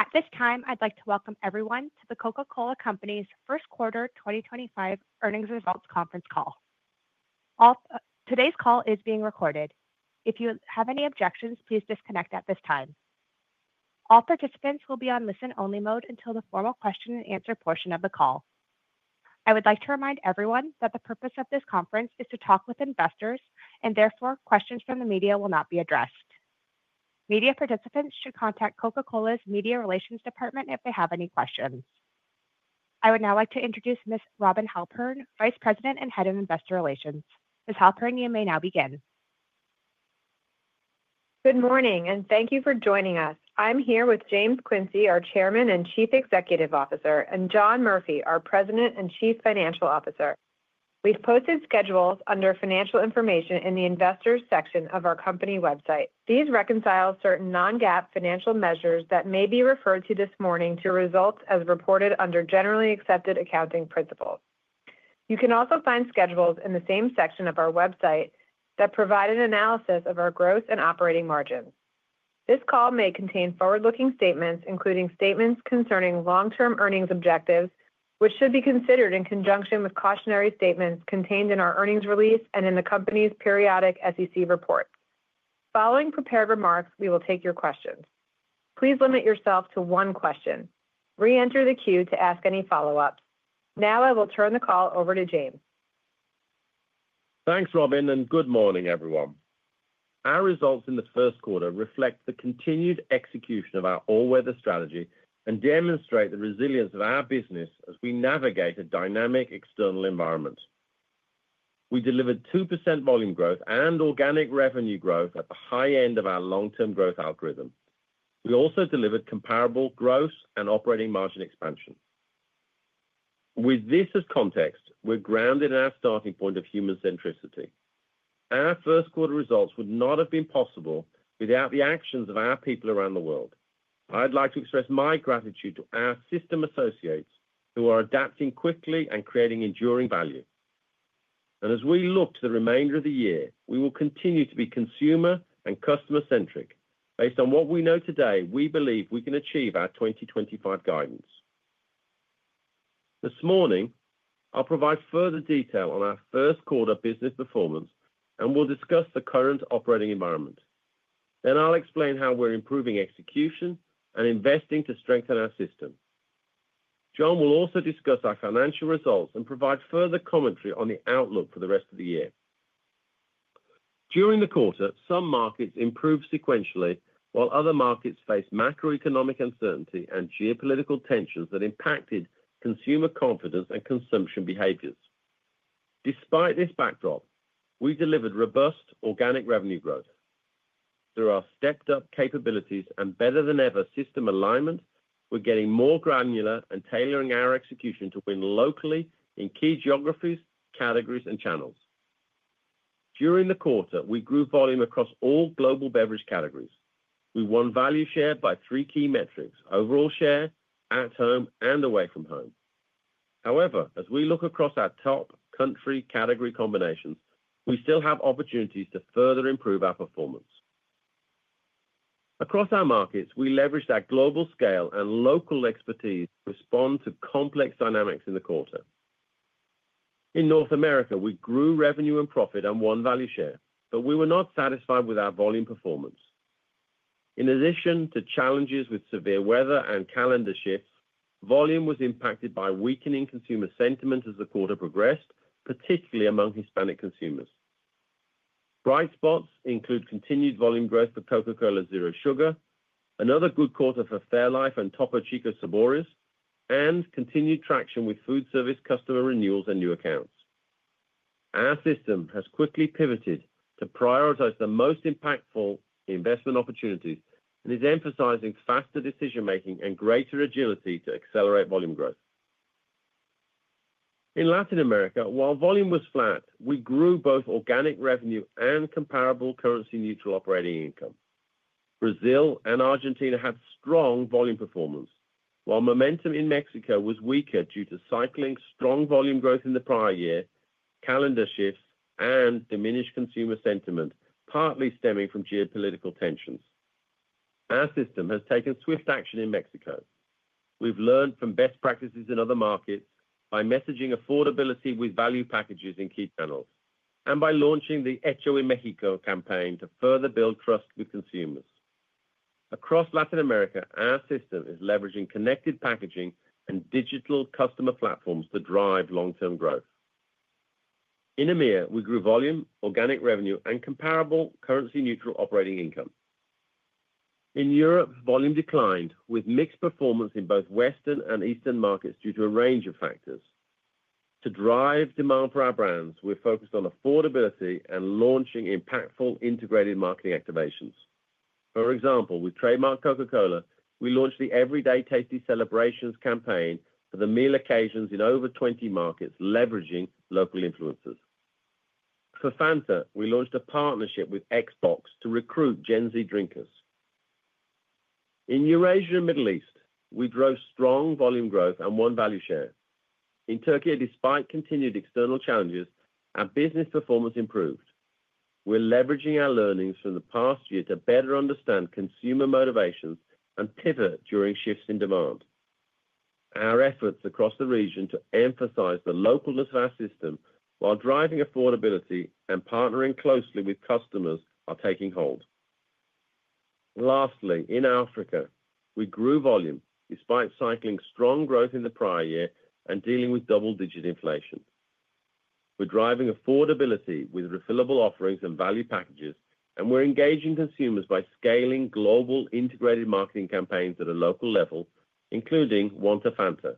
At this time, I'd like to welcome everyone to The Coca-Cola Company's first quarter 2025 earnings results conference call. Today's call is being recorded. If you have any objections, please disconnect at this time. All participants will be on listen-only mode until the formal question-and-answer portion of the call. I would like to remind everyone that the purpose of this conference is to talk with investors, and therefore, questions from the media will not be addressed. Media participants should contact Coca-Cola's Media Relations Department if they have any questions. I would now like to introduce Ms. Robin Halpern, Vice President and Head of Investor Relations. Ms. Halpern, you may now begin. Good morning, and thank you for joining us. I'm here with James Quincey, our Chairman and Chief Executive Officer, and John Murphy, our President and Chief Financial Officer. We've posted schedules under Financial Information in the Investors section of our company website. These reconcile certain non-GAAP financial measures that may be referred to this morning to results as reported under generally accepted accounting principles. You can also find schedules in the same section of our website that provide an analysis of our gross and operating margins. This call may contain forward-looking statements, including statements concerning long-term earnings objectives, which should be considered in conjunction with cautionary statements contained in our earnings release and in the company's periodic SEC report. Following prepared remarks, we will take your questions. Please limit yourself to one question. Re-enter the queue to ask any follow-ups. Now, I will turn the call over to James. Thanks, Robin, and good morning, everyone. Our results in the first quarter reflect the continued execution of our all-weather strategy and demonstrate the resilience of our business as we navigate a dynamic external environment. We delivered 2% volume growth and organic revenue growth at the high end of our long-term growth algorithm. We also delivered comparable growth and operating margin expansion. With this as context, we're grounded in our starting point of human centricity. Our first quarter results would not have been possible without the actions of our people around the world. I'd like to express my gratitude to our system associates who are adapting quickly and creating enduring value. As we look to the remainder of the year, we will continue to be consumer and customer-centric. Based on what we know today, we believe we can achieve our 2025 guidance. This morning, I'll provide further detail on our first quarter business performance and will discuss the current operating environment. Then I'll explain how we're improving execution and investing to strengthen our system. John will also discuss our financial results and provide further commentary on the outlook for the rest of the year. During the quarter, some markets improved sequentially, while other markets faced macroeconomic uncertainty and geopolitical tensions that impacted consumer confidence and consumption behaviors. Despite this backdrop, we delivered robust organic revenue growth. Through our stepped-up capabilities and better-than-ever system alignment, we're getting more granular and tailoring our execution to win locally in key geographies, categories, and channels. During the quarter, we grew volume across all global beverage categories. We won value share by three key metrics: overall share, at home, and away from home. However, as we look across our top country category combinations, we still have opportunities to further improve our performance. Across our markets, we leveraged our global scale and local expertise to respond to complex dynamics in the quarter. In North America, we grew revenue and profit and won value share, but we were not satisfied with our volume performance. In addition to challenges with severe weather and calendar shifts, volume was impacted by weakening consumer sentiment as the quarter progressed, particularly among Hispanic consumers. Bright spots include continued volume growth for Coca-Cola Zero Sugar, another good quarter for Fairlife and Topo Chico Sabores, and continued traction with food service customer renewals and new accounts. Our system has quickly pivoted to prioritize the most impactful investment opportunities and is emphasizing faster decision-making and greater agility to accelerate volume growth. In Latin America, while volume was flat, we grew both organic revenue and comparable currency-neutral operating income. Brazil and Argentina had strong volume performance, while momentum in Mexico was weaker due to cycling strong volume growth in the prior year, calendar shifts, and diminished consumer sentiment, partly stemming from geopolitical tensions. Our system has taken swift action in Mexico. We've learned from best practices in other markets by messaging affordability with value packages in key channels and by launching the Hecho en México campaign to further build trust with consumers. Across Latin America, our system is leveraging connected packaging and digital customer platforms to drive long-term growth. In EMEA, we grew volume, organic revenue, and comparable currency-neutral operating income. In Europe, volume declined with mixed performance in both Western and Eastern markets due to a range of factors. To drive demand for our brands, we're focused on affordability and launching impactful integrated marketing activations. For example, with trademark Coca-Cola, we launched the Everyday Tasty Celebrations campaign for the meal occasions in over 20 markets, leveraging local influences. For Fanta, we launched a partnership with Xbox to recruit Gen Z drinkers. In Eurasia and the Middle East, we drove strong volume growth and won value share. In Türkiye, despite continued external challenges, our business performance improved. We're leveraging our learnings from the past year to better understand consumer motivations and pivot during shifts in demand. Our efforts across the region to emphasize the localness of our system while driving affordability and partnering closely with customers are taking hold. Lastly, in Africa, we grew volume despite cycling strong growth in the prior year and dealing with double-digit inflation. We're driving affordability with refillable offerings and value packages, and we're engaging consumers by scaling global integrated marketing campaigns at a local level, including Want a Fanta,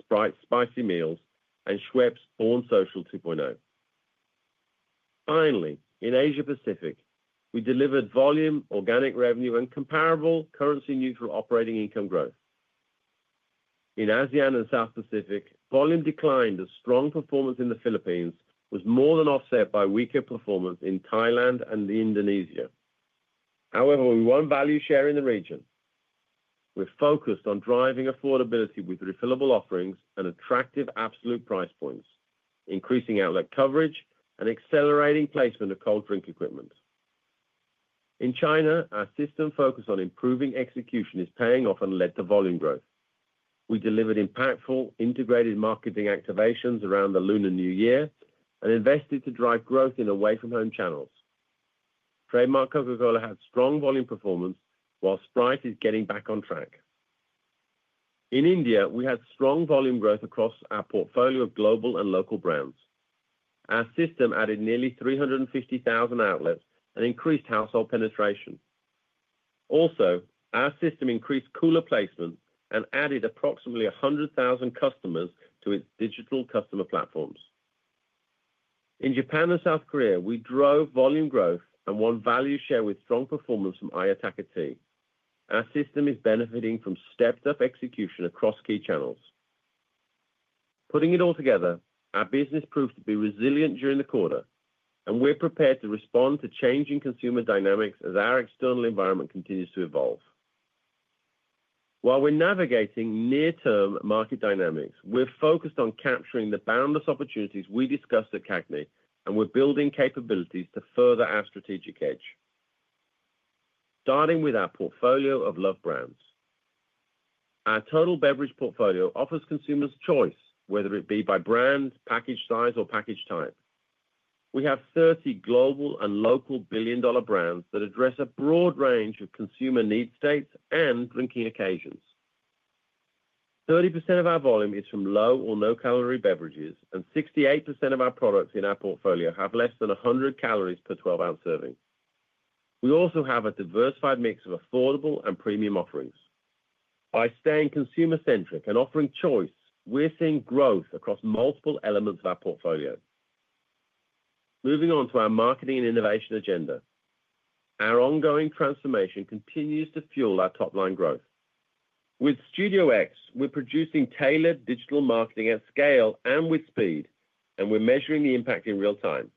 Sprite Spicy Meals, and Schweppes Born Social 2.0. Finally, in Asia-Pacific, we delivered volume, organic revenue, and comparable currency-neutral operating income growth. In ASEAN and South Pacific, volume declined as strong performance in the Philippines was more than offset by weaker performance in Thailand and Indonesia. However, we won value share in the region. We're focused on driving affordability with refillable offerings and attractive absolute price points, increasing outlet coverage and accelerating placement of cold drink equipment. In China, our system focus on improving execution is paying off and led to volume growth. We delivered impactful integrated marketing activations around the Lunar New Year and invested to drive growth in away-from-home channels. Trademark Coca-Cola had strong volume performance while Sprite is getting back on track. In India, we had strong volume growth across our portfolio of global and local brands. Our system added nearly 350,000 outlets and increased household penetration. Also, our system increased cooler placement and added approximately 100,000 customers to its digital customer platforms. In Japan and South Korea, we drove volume growth and won value share with strong performance from Ayataka Tea. Our system is benefiting from stepped-up execution across key channels. Putting it all together, our business proved to be resilient during the quarter, and we're prepared to respond to changing consumer dynamics as our external environment continues to evolve. While we're navigating near-term market dynamics, we're focused on capturing the boundless opportunities we discussed at CAGNY, and we're building capabilities to further our strategic edge. Starting with our portfolio of loved brands, our total beverage portfolio offers consumers choice, whether it be by brand, package size, or package type. We have 30 global and local billion-dollar brands that address a broad range of consumer need states and drinking occasions. 30% of our volume is from low or no-calorie beverages, and 68% of our products in our portfolio have less than 100 calories per 12-ounce serving. We also have a diversified mix of affordable and premium offerings. By staying consumer-centric and offering choice, we're seeing growth across multiple elements of our portfolio. Moving on to our marketing and innovation agenda, our ongoing transformation continues to fuel our top-line growth. With Studio X, we're producing tailored digital marketing at scale and with speed, and we're measuring the impact in real time.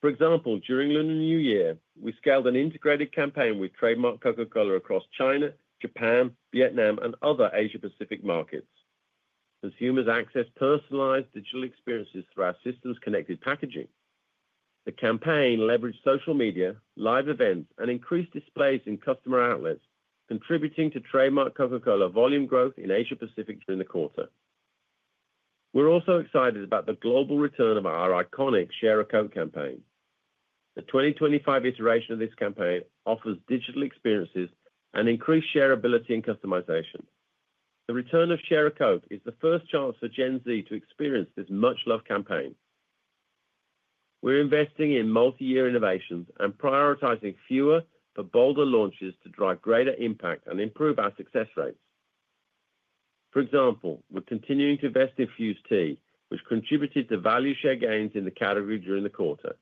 For example, during Lunar New Year, we scaled an integrated campaign with trademark Coca-Cola across China, Japan, Vietnam, and other Asia-Pacific markets. Consumers access personalized digital experiences through our systems-connected packaging. The campaign leveraged social media, live events, and increased displays in customer outlets, contributing to trademark Coca-Cola volume growth in Asia-Pacific during the quarter. We're also excited about the global return of our iconic Share a Coke campaign. The 2025 iteration of this campaign offers digital experiences and increased shareability and customization. The return of Share a Coke is the first chance for Gen Z to experience this much-loved campaign. We're investing in multi-year innovations and prioritizing fewer but bolder launches to drive greater impact and improve our success rates. For example, we're continuing to invest in Fuze Tea, which contributed to value share gains in the category during the quarter.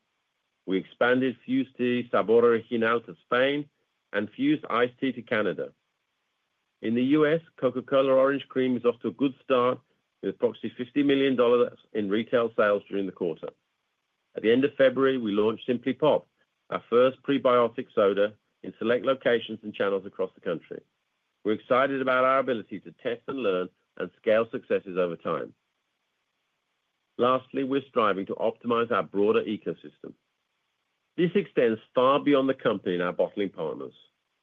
We expanded Fuze Tea Sabor Original to Spain and Fuze Iced Tea to Canada. In the U.S., Coca-Cola Orange Cream is off to a good start with approximately $50 million in retail sales during the quarter. At the end of February, we launched Simply Pop, our first prebiotic soda, in select locations and channels across the country. We're excited about our ability to test and learn and scale successes over time. Lastly, we're striving to optimize our broader ecosystem. This extends far beyond the company and our bottling partners.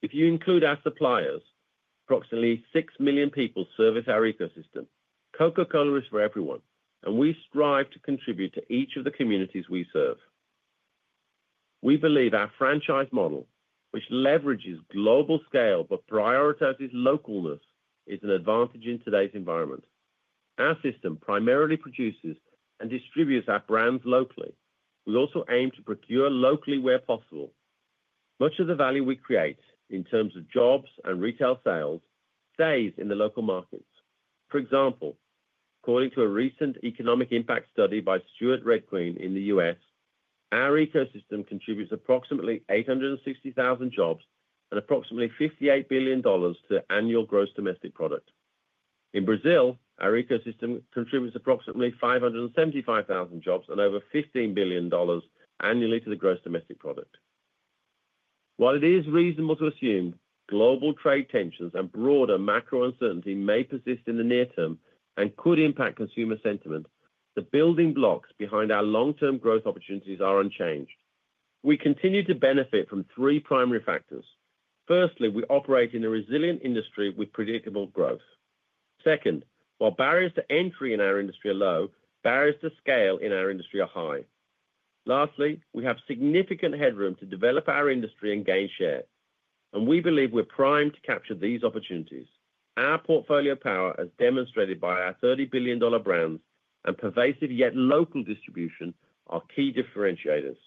If you include our suppliers, approximately 6 million people service our ecosystem. Coca-Cola is for everyone, and we strive to contribute to each of the communities we serve. We believe our franchise model, which leverages global scale but prioritizes locally, is an advantage in today's environment. Our system primarily produces and distributes our brands locally. We also aim to procure locally where possible. Much of the value we create in terms of jobs and retail sales stays in the local markets. For example, according to a recent economic impact study by Steward Redqueen in the U.S., our ecosystem contributes approximately 860,000 jobs and approximately $58 billion to annual gross domestic product. In Brazil, our ecosystem contributes approximately 575,000 jobs and over $15 billion annually to the gross domestic product. While it is reasonable to assume global trade tensions and broader macro uncertainty may persist in the near term and could impact consumer sentiment, the building blocks behind our long-term growth opportunities are unchanged. We continue to benefit from three primary factors. Firstly, we operate in a resilient industry with predictable growth. Second, while barriers to entry in our industry are low, barriers to scale in our industry are high. Lastly, we have significant headroom to develop our industry and gain share. We believe we're primed to capture these opportunities. Our portfolio power, as demonstrated by our $30 billion brands and pervasive yet local distribution, are key differentiators.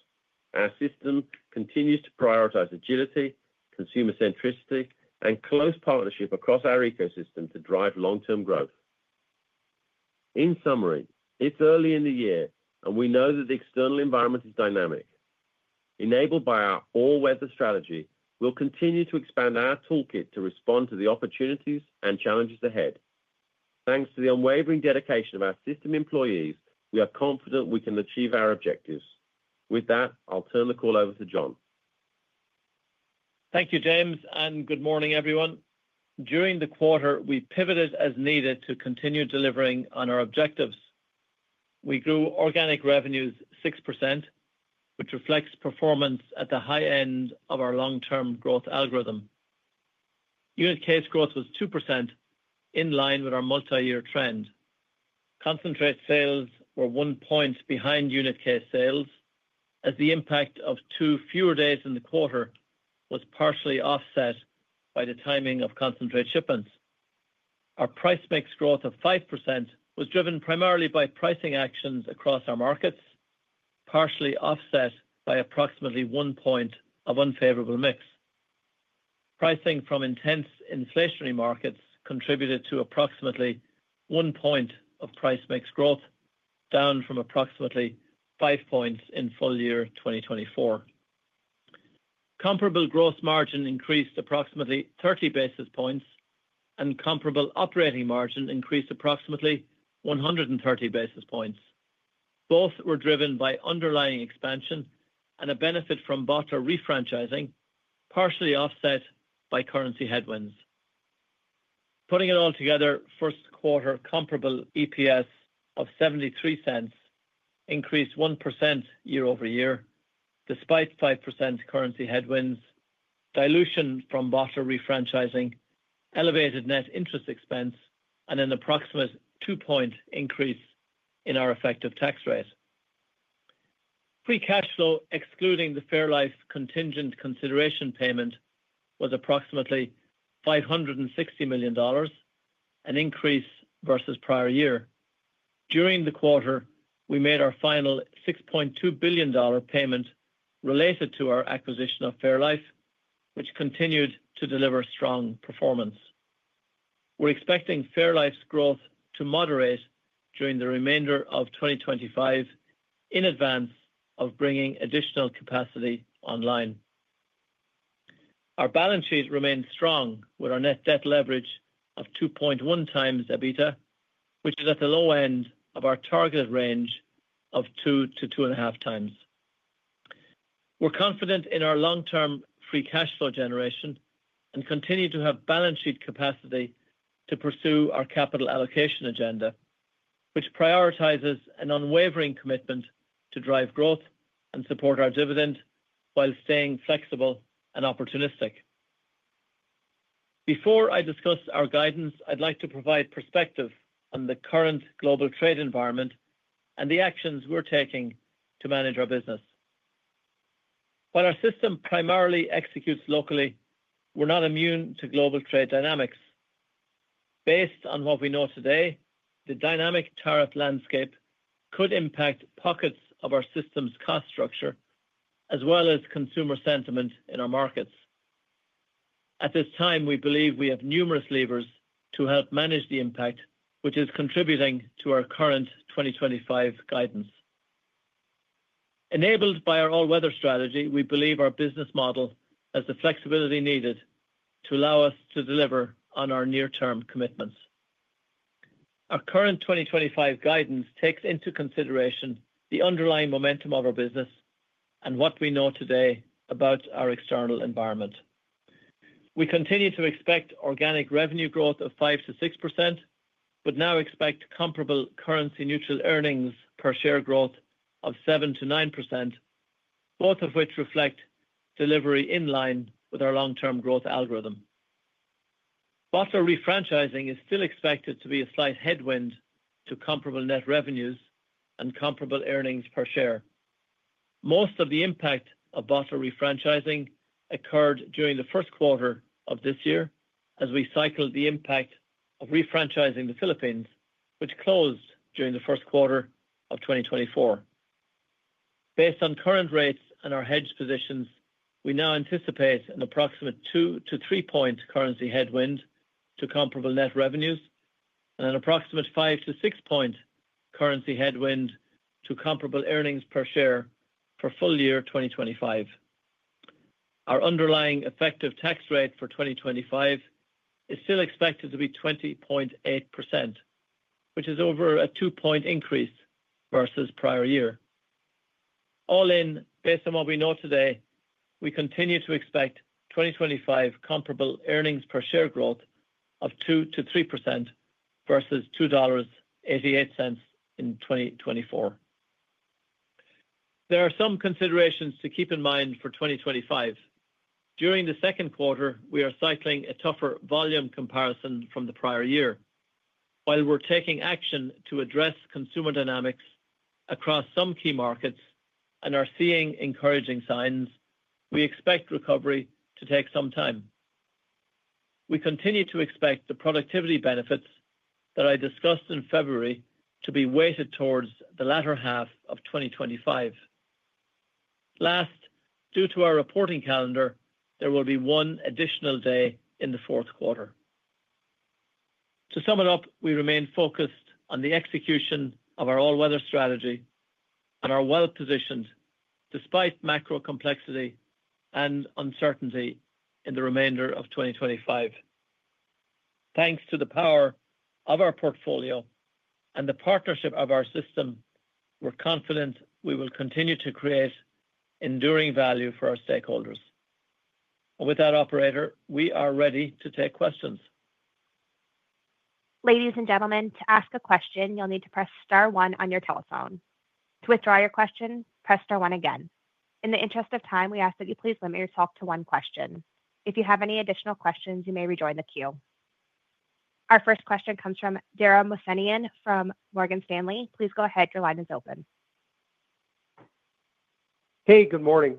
Our system continues to prioritize agility, consumer-centricity, and close partnership across our ecosystem to drive long-term growth. In summary, it's early in the year, and we know that the external environment is dynamic. Enabled by our all-weather strategy, we'll continue to expand our toolkit to respond to the opportunities and challenges ahead. Thanks to the unwavering dedication of our system employees, we are confident we can achieve our objectives. With that, I'll turn the call over to John. Thank you, James, and good morning, everyone. During the quarter, we pivoted as needed to continue delivering on our objectives. We grew organic revenues 6%, which reflects performance at the high end of our long-term growth algorithm. Unit case growth was 2%, in line with our multi-year trend. Concentrate sales were one point behind unit case sales, as the impact of two fewer days in the quarter was partially offset by the timing of concentrate shipments. Our price mix growth of 5% was driven primarily by pricing actions across our markets, partially offset by approximately one point of unfavorable mix. Pricing from intense inflationary markets contributed to approximately one point of price mix growth, down from approximately five points in full year 2024. Comparable gross margin increased approximately 30 basis points, and comparable operating margin increased approximately 130 basis points. Both were driven by underlying expansion and a benefit from bottler refranchising, partially offset by currency headwinds. Putting it all together, first quarter comparable EPS of $0.73 increased 1% year-over-year, despite 5% currency headwinds, dilution from bottler refranchising, elevated net interest expense, and an approximate two-point increase in our effective tax rate. Free cash flow, excluding the Fairlife contingent consideration payment, was approximately $560 million, an increase versus prior year. During the quarter, we made our final $6.2 billion payment related to our acquisition of Fairlife, which continued to deliver strong performance. We're expecting Fairlife's growth to moderate during the remainder of 2025, in advance of bringing additional capacity online. Our balance sheet remains strong with our net debt leverage of 2.1 times EBITDA, which is at the low end of our targeted range of 2-2.5 times. We're confident in our long-term free cash flow generation and continue to have balance sheet capacity to pursue our capital allocation agenda, which prioritizes an unwavering commitment to drive growth and support our dividend while staying flexible and opportunistic. Before I discuss our guidance, I'd like to provide perspective on the current global trade environment and the actions we're taking to manage our business. While our system primarily executes locally, we're not immune to global trade dynamics. Based on what we know today, the dynamic tariff landscape could impact pockets of our system's cost structure, as well as consumer sentiment in our markets. At this time, we believe we have numerous levers to help manage the impact, which is contributing to our current 2025 guidance. Enabled by our all-weather strategy, we believe our business model has the flexibility needed to allow us to deliver on our near-term commitments. Our current 2025 guidance takes into consideration the underlying momentum of our business and what we know today about our external environment. We continue to expect organic revenue growth of 5-6%, but now expect comparable currency-neutral earnings per share growth of 7-9%, both of which reflect delivery in line with our long-term growth algorithm. Bottler refranchising is still expected to be a slight headwind to comparable net revenues and comparable earnings per share. Most of the impact of bottler refranchising occurred during the first quarter of this year, as we cycled the impact of refranchising the Philippines, which closed during the first quarter of 2024. Based on current rates and our hedge positions, we now anticipate an approximate 2-3 percentage point currency headwind to comparable net revenues and an approximate 5-6 percentage point currency headwind to comparable earnings per share for full year 2025. Our underlying effective tax rate for 2025 is still expected to be 20.8%, which is over a two-point increase versus prior year. All in, based on what we know today, we continue to expect 2025 comparable earnings per share growth of 2-3% versus $2.88 in 2024. There are some considerations to keep in mind for 2025. During the second quarter, we are cycling a tougher volume comparison from the prior year. While we're taking action to address consumer dynamics across some key markets and are seeing encouraging signs, we expect recovery to take some time. We continue to expect the productivity benefits that I discussed in February to be weighted towards the latter half of 2025. Last, due to our reporting calendar, there will be one additional day in the fourth quarter. To sum it up, we remain focused on the execution of our all-weather strategy and are well positioned, despite macro complexity and uncertainty in the remainder of 2025. Thanks to the power of our portfolio and the partnership of our system, we're confident we will continue to create enduring value for our stakeholders. With that, Operator, we are ready to take questions. Ladies and gentlemen, to ask a question, you'll need to press star one on your telephone. To withdraw your question, press star one again. In the interest of time, we ask that you please limit yourself to one question. If you have any additional questions, you may rejoin the queue. Our first question comes from Dara Mohsenian from Morgan Stanley. Please go ahead. Your line is open. Hey, good morning.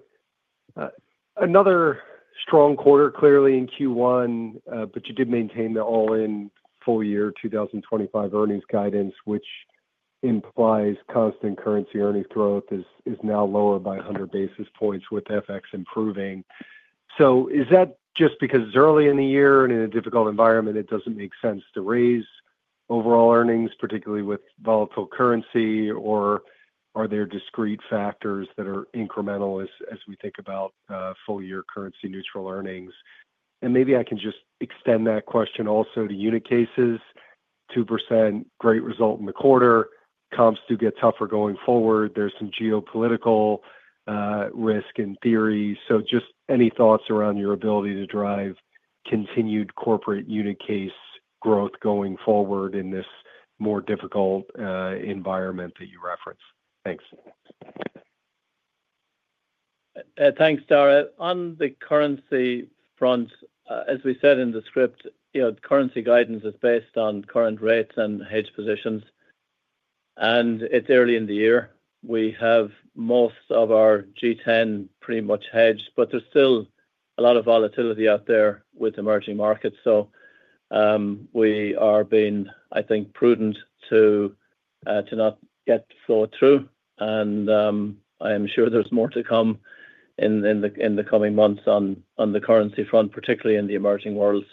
Another strong quarter, clearly in Q1, but you did maintain the all-in full year 2025 earnings guidance, which implies constant currency earnings growth is now lower by 100 basis points, with FX improving. Is that just because it's early in the year and in a difficult environment, it doesn't make sense to raise overall earnings, particularly with volatile currency? Are there discrete factors that are incremental as we think about full-year currency-neutral earnings? Maybe I can just extend that question also to unit cases. 2%, great result in the quarter. Comps do get tougher going forward. There's some geopolitical risk in theory. Just any thoughts around your ability to drive continued corporate unit case growth going forward in this more difficult environment that you referenced? Thanks. Thanks, Dara. On the currency front, as we said in the script, the currency guidance is based on current rates and hedge positions. It is early in the year. We have most of our G10 pretty much hedged, but there is still a lot of volatility out there with emerging markets. We are being, I think, prudent to not get slowed through. I am sure there is more to come in the coming months on the currency front, particularly in the emerging world.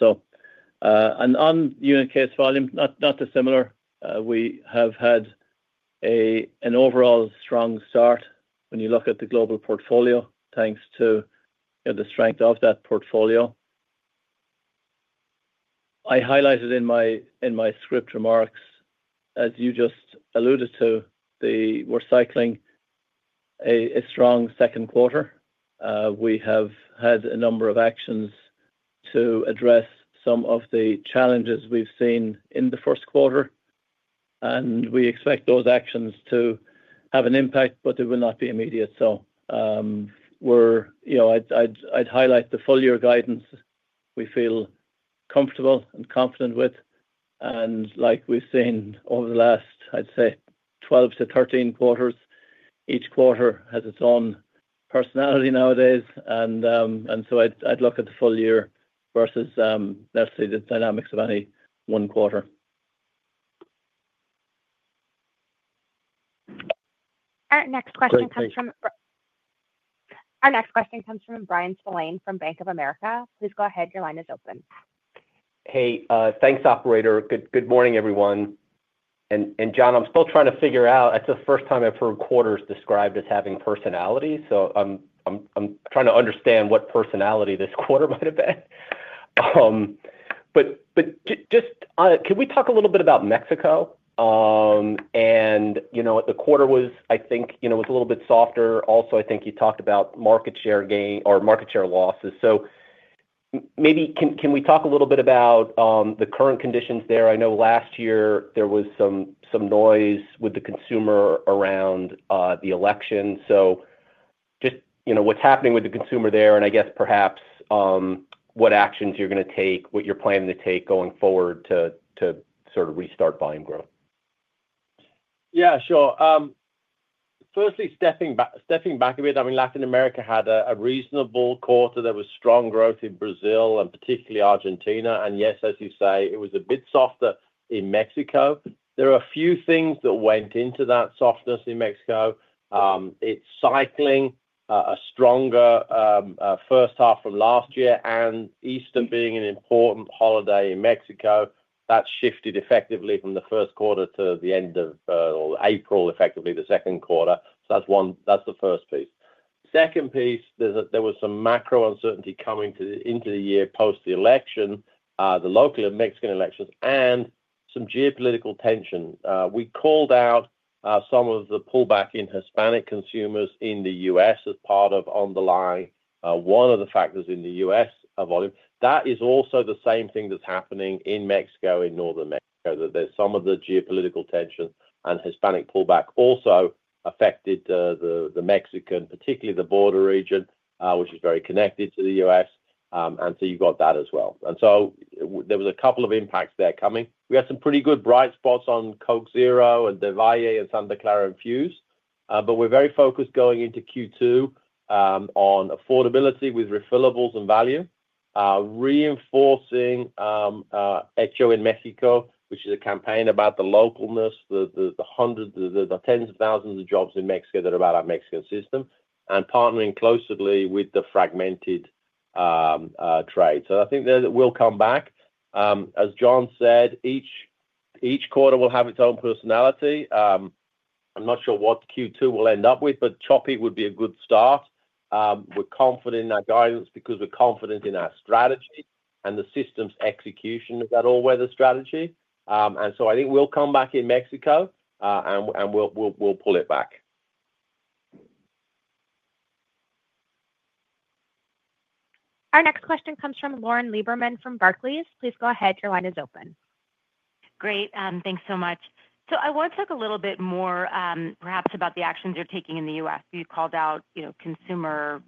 On unit case volume, not dissimilar. We have had an overall strong start when you look at the global portfolio, thanks to the strength of that portfolio. I highlighted in my script remarks, as you just alluded to, that we are cycling a strong second quarter. We have had a number of actions to address some of the challenges we have seen in the first quarter. We expect those actions to have an impact, but it will not be immediate. I would highlight the full-year guidance we feel comfortable and confident with. Like we have seen over the last, I would say, 12 to 13 quarters, each quarter has its own personality nowadays. I would look at the full year versus, let's say, the dynamics of any one quarter. Our next question comes from Bryan Spillane from Bank of America. Please go ahead. Your line is open. Hey, thanks, Operator. Good morning, everyone. John, I am still trying to figure out, it is the first time I have heard quarters described as having personality. I am trying to understand what personality this quarter might have been. Just can we talk a little bit about Mexico? The quarter was, I think, a little bit softer. Also, I think you talked about market share gain or market share losses. Maybe can we talk a little bit about the current conditions there? I know last year there was some noise with the consumer around the election. Just what's happening with the consumer there, and I guess perhaps what actions you're going to take, what you're planning to take going forward to sort of restart buying growth. Yeah, sure. Firstly, stepping back a bit, I mean, Latin America had a reasonable quarter. There was strong growth in Brazil and particularly Argentina. Yes, as you say, it was a bit softer in Mexico. There are a few things that went into that softness in Mexico. It's cycling a stronger first half from last year. Easter being an important holiday in Mexico shifted effectively from the first quarter to the end of April, effectively the second quarter. That is the first piece. The second piece, there was some macro uncertainty coming into the year post-election, the local and Mexican elections, and some geopolitical tension. We called out some of the pullback in Hispanic consumers in the U.S. as part of, on the line, one of the factors in the U.S. volume. That is also the same thing that is happening in Mexico, in northern Mexico, that there is some of the geopolitical tension. Hispanic pullback also affected the Mexican, particularly the border region, which is very connected to the U.S. There was a couple of impacts there coming. We had some pretty good bright spots on Coke Zero, Del Valle, Santa Clara, and Fuze. We're very focused going into Q2 on affordability with refillables and value, reinforcing Hecho en México, which is a campaign about the localness, the tens of thousands of jobs in Mexico that are about our Mexican system, and partnering closely with the fragmented trade. I think that we'll come back. As John said, each quarter will have its own personality. I'm not sure what Q2 will end up with, but choppy would be a good start. We're confident in our guidance because we're confident in our strategy and the system's execution of that all-weather strategy. I think we'll come back in Mexico and we'll pull it back. Our next question comes from Lauren Lieberman from Barclays. Please go ahead. Your line is open. Great. Thanks so much. I want to talk a little bit more perhaps about the actions you're taking in the U.S. You called out consumer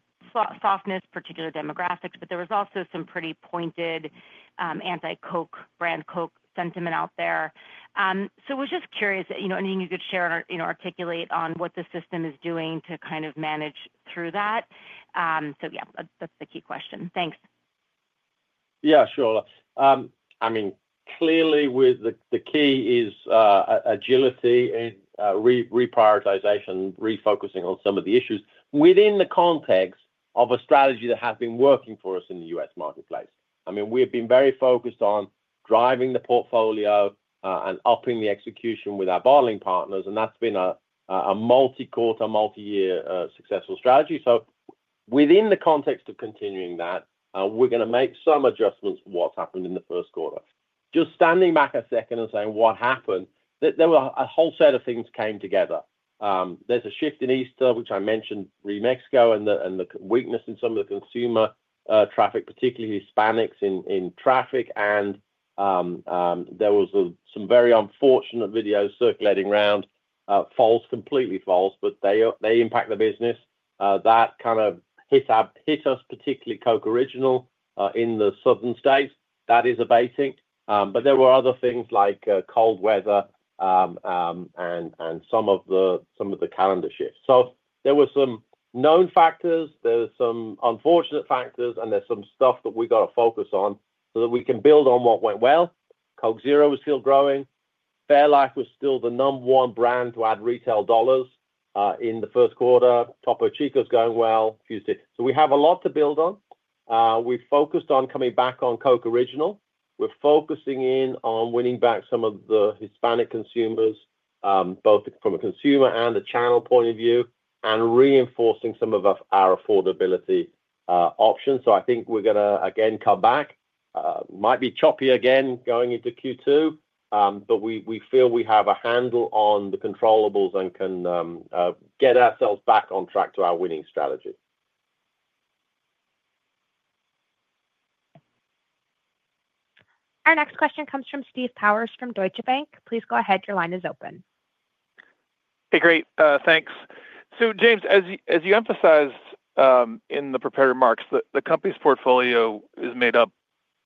softness, particular demographics, but there was also some pretty pointed anti-Coke, brand Coke sentiment out there. I was just curious if you could share or articulate on what the system is doing to kind of manage through that. Yeah, that's the key question. Thanks. Yeah, sure. I mean, clearly the key is agility and reprioritization, refocusing on some of the issues within the context of a strategy that has been working for us in the U.S. marketplace. I mean, we have been very focused on driving the portfolio and upping the execution with our bottling partners. That's been a multi-quarter, multi-year successful strategy. Within the context of continuing that, we're going to make some adjustments to what's happened in the first quarter. Just standing back a second and saying what happened, there were a whole set of things that came together. There's a shift in Easter, which I mentioned, re-Mexico and the weakness in some of the consumer traffic, particularly Hispanics in traffic. There were some very unfortunate videos circulating around, false, completely false, but they impact the business. That kind of hit us, particularly Coke Original in the southern states. That is a basic. There were other things like cold weather and some of the calendar shifts. There were some known factors. There were some unfortunate factors. There's some stuff that we got to focus on so that we can build on what went well. Coke Zero was still growing. Fairlife was still the number one brand to add retail dollars in the first quarter. Topo Chico's going well. We have a lot to build on. We focused on coming back on Coke Original. We're focusing in on winning back some of the Hispanic consumers, both from a consumer and a channel point of view, and reinforcing some of our affordability options. I think we're going to, again, come back. Might be choppy again going into Q2, but we feel we have a handle on the controllables, and can get ourselves back on track to our winning strategy. Our next question comes from Steve Powers from Deutsche Bank. Please go ahead. Your line is open. Hey, great. Thanks. James, as you emphasized in the prepared remarks, the company's portfolio is made up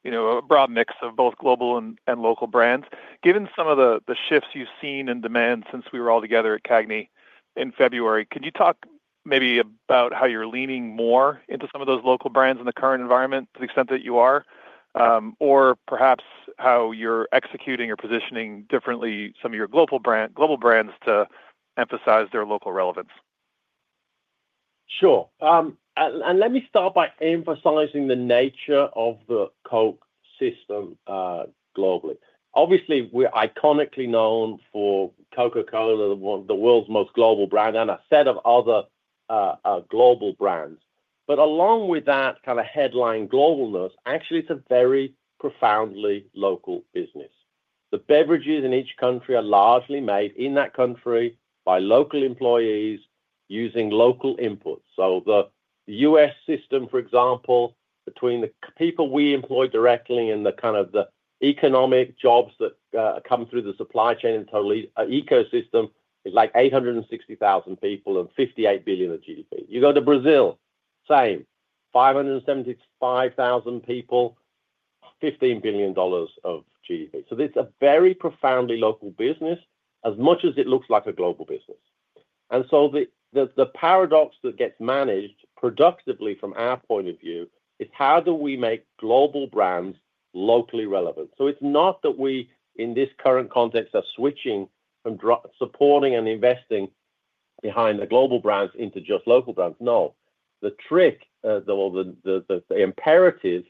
of a broad mix of both global and local brands. Given some of the shifts you've seen in demand since we were all together at Cagney in February, could you talk maybe about how you're leaning more into some of those local brands in the current environment to the extent that you are? Could you perhaps talk about how you're executing or positioning differently some of your global brands to emphasize their local relevance? Sure. Let me start by emphasizing the nature of the Coke system globally. Obviously, we're iconically known for Coca-Cola, the world's most global brand, and a set of other global brands. Along with that kind of headline globalness, actually, it's a very profoundly local business. The beverages in each country are largely made in that country by local employees using local inputs. The U.S. system, for example, between the people we employ directly and the kind of economic jobs that come through the supply chain and total ecosystem, it's like 860,000 people and $58 billion of GDP. You go to Brazil, same, 575,000 people, $15 billion of GDP. It is a very profoundly local business, as much as it looks like a global business. The paradox that gets managed productively from our point of view is how do we make global brands locally relevant? It is not that we, in this current context, are switching from supporting and investing behind the global brands into just local brands. No. The trick, or the imperative,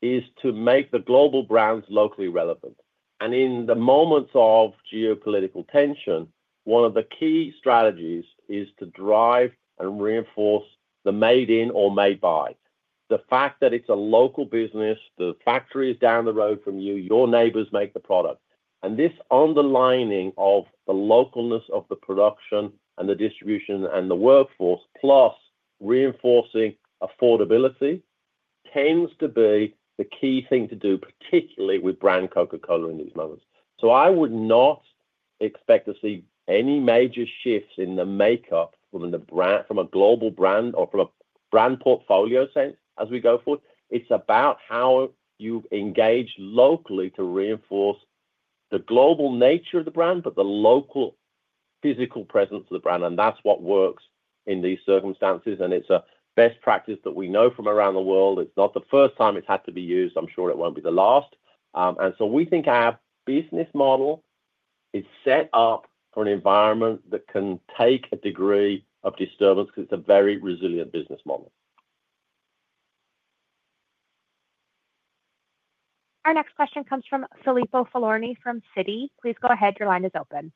is to make the global brands locally relevant. In the moments of geopolitical tension, one of the key strategies is to drive and reinforce the made-in or made-by. The fact that it's a local business, the factory is down the road from you, your neighbors make the product. This underlining of the localness of the production and the distribution and the workforce, plus reinforcing affordability, tends to be the key thing to do, particularly with brand Coca-Cola in these moments. I would not expect to see any major shifts in the makeup from a global brand or from a brand portfolio sense as we go forward. It's about how you engage locally to reinforce the global nature of the brand, but the local physical presence of the brand. That's what works in these circumstances. It's a best practice that we know from around the world. It's not the first time it's had to be used. I'm sure it won't be the last. We think our business model is set up for an environment that can take a degree of disturbance because it's a very resilient business model. Our next question comes from Filippo Falorni from Citi. Please go ahead. Your line is open.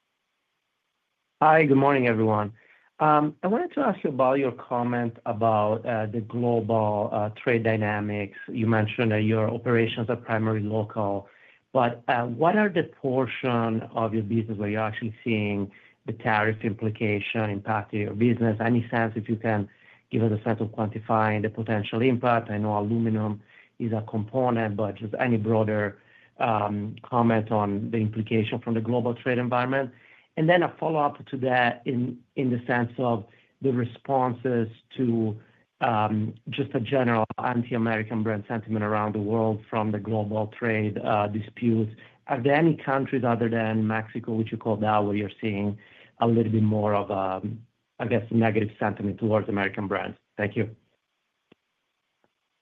Hi, good morning, everyone. I wanted to ask you about your comment about the global trade dynamics. You mentioned that your operations are primarily local. What are the portion of your business where you're actually seeing the tariff implication impacting your business? Any sense, if you can, give us a sense of quantifying the potential impact? I know aluminum is a component, but just any broader comment on the implication from the global trade environment. A follow-up to that in the sense of the responses to just a general anti-American brand sentiment around the world from the global trade disputes. Are there any countries other than Mexico, which you called out, where you're seeing a little bit more of, I guess, negative sentiment towards American brands? Thank you.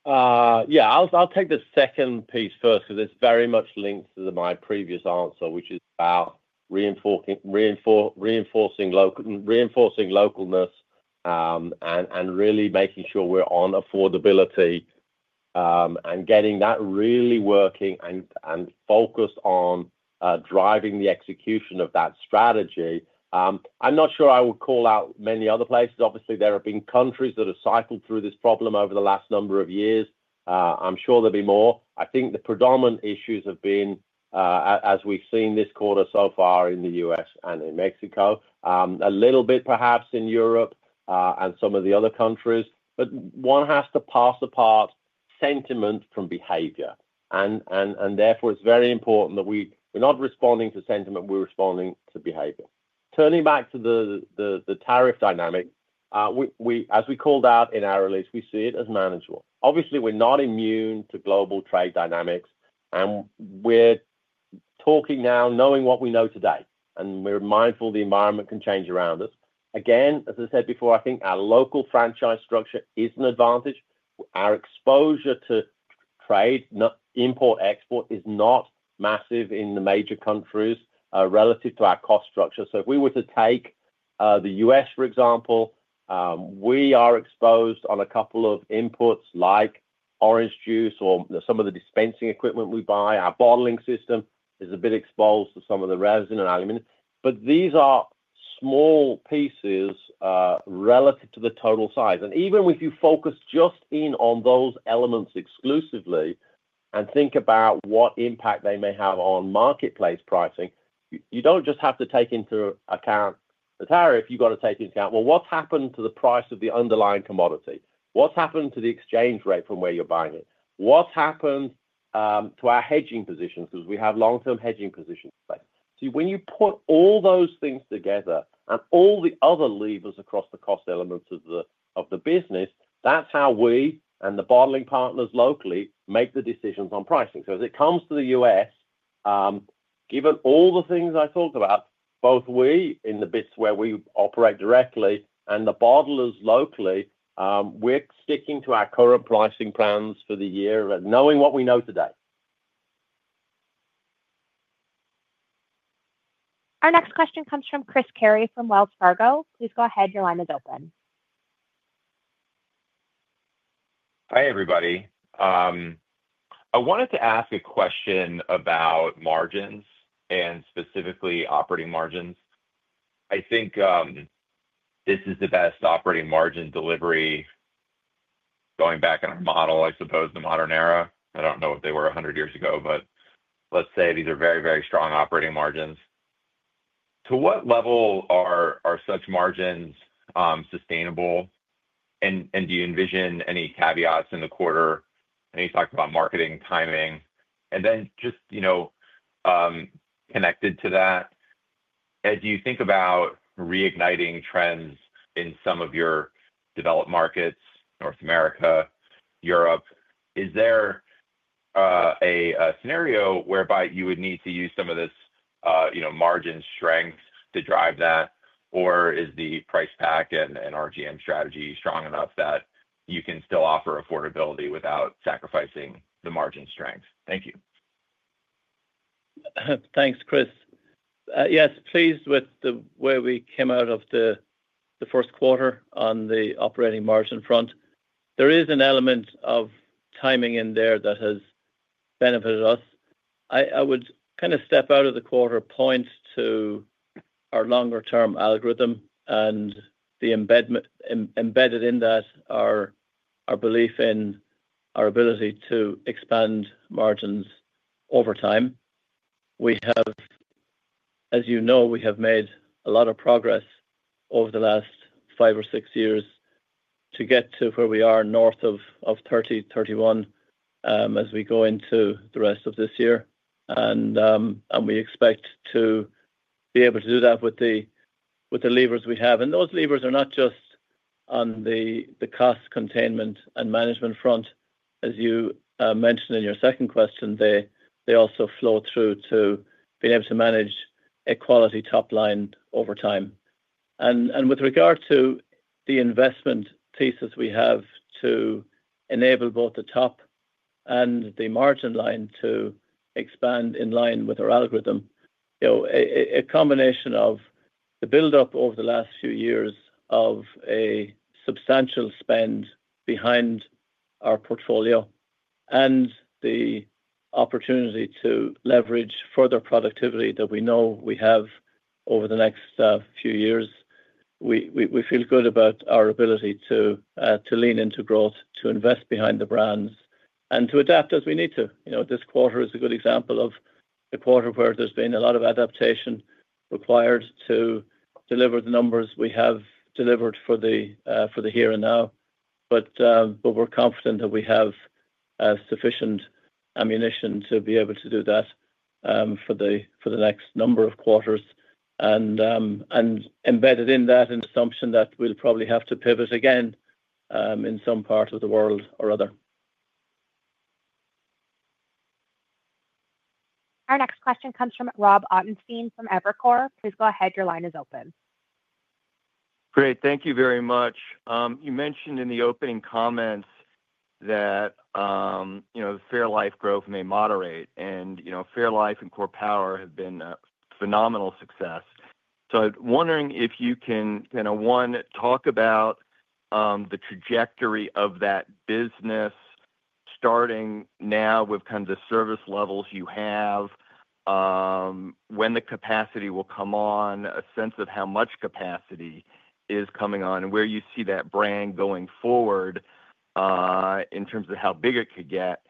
Yeah, I'll take the second piece first because it's very much linked to my previous answer, which is about reinforcing localness and really making sure we're on affordability and getting that really working and focused on driving the execution of that strategy. I'm not sure I would call out many other places. Obviously, there have been countries that have cycled through this problem over the last number of years. I'm sure there'll be more. I think the predominant issues have been, as we've seen this quarter so far, in the U.S. and in Mexico, a little bit perhaps in Europe and some of the other countries. One has to pass apart sentiment from behavior. It is very important that we're not responding to sentiment; we're responding to behavior. Turning back to the tariff dynamic, as we called out in our release, we see it as manageable. Obviously, we're not immune to global trade dynamics. We're talking now, knowing what we know today. We're mindful the environment can change around us. As I said before, I think our local franchise structure is an advantage. Our exposure to trade, import-export, is not massive in the major countries relative to our cost structure. If we take the U.S., for example, we are exposed on a couple of inputs like orange juice or some of the dispensing equipment we buy. Our bottling system is a bit exposed to some of the resin and aluminum. These are small pieces relative to the total size. Even if you focus just in on those elements exclusively and think about what impact they may have on marketplace pricing, you do not just have to take into account the tariff. You have to take into account, well, what has happened to the price of the underlying commodity? What has happened to the exchange rate from where you are buying it? What has happened to our hedging positions? Because we have long-term hedging positions. When you put all those things together and all the other levers across the cost elements of the business, that is how we and the bottling partners locally make the decisions on pricing. As it comes to the U.S., given all the things I talked about, both we in the bits where we operate directly and the bottlers locally, we are sticking to our current pricing plans for the year and knowing what we know today. Our next question comes from Chris Kerry from Wells Fargo. Please go ahead. Your line is open. Hi, everybody. I wanted to ask a question about margins and specifically operating margins. I think this is the best operating margin delivery going back in our model, I suppose, in the modern era. I do not know if they were 100 years ago, but let's say these are very, very strong operating margins. To what level are such margins sustainable? Do you envision any caveats in the quarter? I know you talked about marketing, timing. Just connected to that, as you think about reigniting trends in some of your developed markets, North America, Europe, is there a scenario whereby you would need to use some of this margin strength to drive that? Is the price pack and RGM strategy strong enough that you can still offer affordability without sacrificing the margin strength? Thank you. Thanks, Chris. Yes, pleased with where we came out of the first quarter on the operating margin front. There is an element of timing in there that has benefited us. I would kind of step out of the quarter point to our longer-term algorithm and embedded in that are our belief in our ability to expand margins over time. As you know, we have made a lot of progress over the last five or six years to get to where we are north of 30, 31 as we go into the rest of this year. We expect to be able to do that with the levers we have. Those levers are not just on the cost containment and management front. As you mentioned in your second question, they also flow through to being able to manage equality top line over time. With regard to the investment thesis we have to enable both the top and the margin line to expand in line with our algorithm, a combination of the buildup over the last few years of a substantial spend behind our portfolio and the opportunity to leverage further productivity that we know we have over the next few years, we feel good about our ability to lean into growth, to invest behind the brands, and to adapt as we need to. This quarter is a good example of a quarter where there's been a lot of adaptation required to deliver the numbers we have delivered for the here and now. We're confident that we have sufficient ammunition to be able to do that for the next number of quarters, and embedded in that, an assumption that we'll probably have to pivot again in some part of the world or other. Our next question comes from Rob Ottenstein from Evercore. Please go ahead. Your line is open. Great. Thank you very much. You mentioned in the opening comments that Fairlife growth may moderate. And Fairlife and Core Power have been a phenomenal success. I'm wondering if you can kind of, one, talk about the trajectory of that business starting now with kind of the service levels you have, when the capacity will come on, a sense of how much capacity is coming on, and where you see that brand going forward in terms of how big it could get,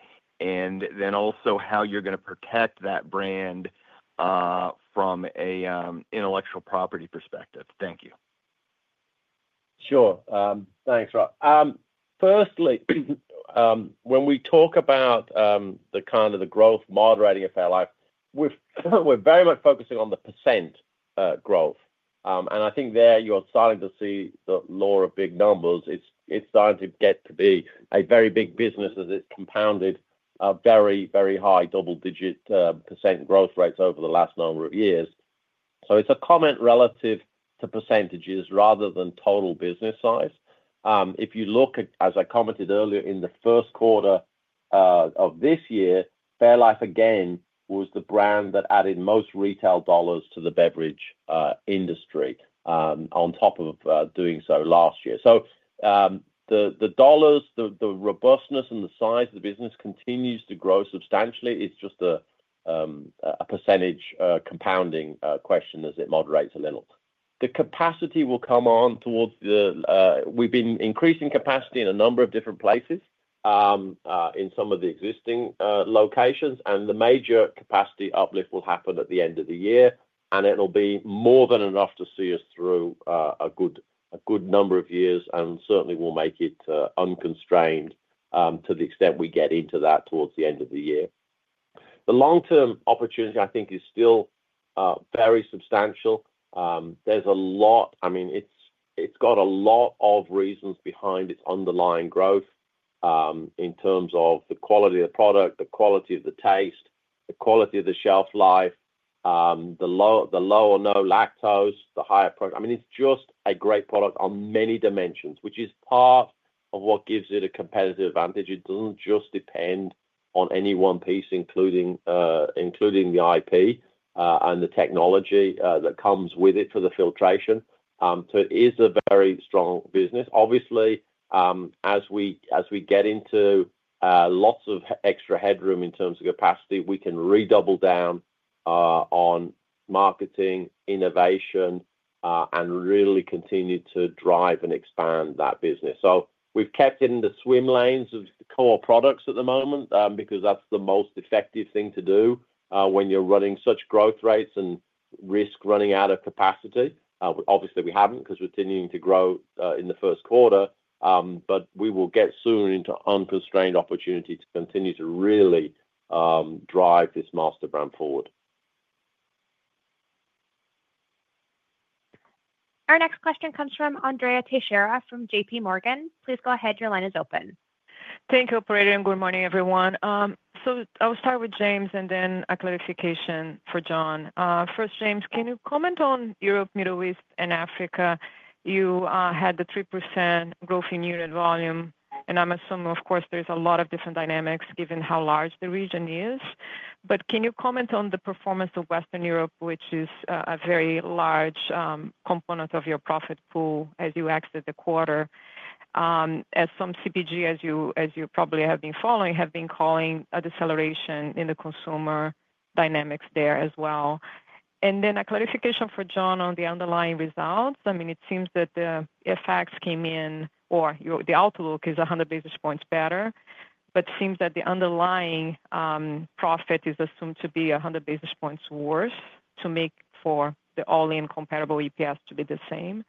and then also how you're going to protect that brand from an intellectual property perspective. Thank you. Sure. Thanks, Rob. Firstly, when we talk about the kind of the growth moderating at Fairlife, we're very much focusing on the % growth. I think there you're starting to see the law of big numbers. It's starting to get to be a very big business as it's compounded very, very high double-digit % growth rates over the last number of years. It's a comment relative to percentages rather than total business size. If you look, as I commented earlier, in the first quarter of this year, Fairlife again was the brand that added most retail dollars to the beverage industry on top of doing so last year. The dollars, the robustness, and the size of the business continues to grow substantially. It's just a percentage compounding question as it moderates a little. The capacity will come on towards the end of the year. We've been increasing capacity in a number of different places in some of the existing locations. The major capacity uplift will happen at the end of the year. It will be more than enough to see us through a good number of years and certainly will make it unconstrained to the extent we get into that towards the end of the year. The long-term opportunity, I think, is still very substantial. There's a lot, I mean, it's got a lot of reasons behind its underlying growth in terms of the quality of the product, the quality of the taste, the quality of the shelf life, the low or no lactose, the higher product. I mean, it's just a great product on many dimensions, which is part of what gives it a competitive advantage. It doesn't just depend on any one piece, including the IP and the technology that comes with it for the filtration. It is a very strong business. Obviously, as we get into lots of extra headroom in terms of capacity, we can redouble down on marketing, innovation, and really continue to drive and expand that business. We have kept it in the swim lanes of core products at the moment because that is the most effective thing to do when you are running such growth rates and risk running out of capacity. Obviously, we have not because we are continuing to grow in the first quarter. We will get soon into unconstrained opportunity to continue to really drive this master brand forward. Our next question comes from Andrea Teixeira from JP Morgan. Please go ahead. Your line is open. Thank you, Operator. Good morning, everyone. I will start with James and then a clarification for John. First, James, can you comment on Europe, Middle East, and Africa? You had the 3% growth in unit volume. I am assuming, of course, there are a lot of different dynamics given how large the region is. Can you comment on the performance of Western Europe, which is a very large component of your profit pool as you exit the quarter? As some CPG, as you probably have been following, have been calling a deceleration in the consumer dynamics there as well. A clarification for John on the underlying results. I mean, it seems that the effects came in or the outlook is 100 basis points better, but it seems that the underlying profit is assumed to be 100 basis points worse to make for the all-in comparable EPS to be the same.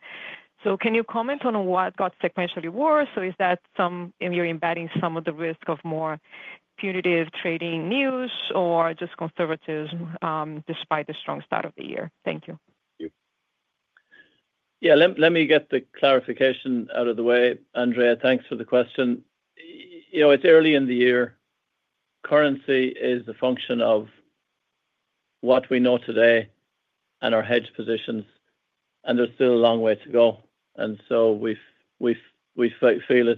Can you comment on what got sequentially worse? Is that some you're embedding some of the risk of more punitive trading news or just conservatives despite the strong start of the year? Thank you. Yeah. Let me get the clarification out of the way. Andrea, thanks for the question. It's early in the year. Currency is a function of what we know today and our hedge positions. There's still a long way to go. We feel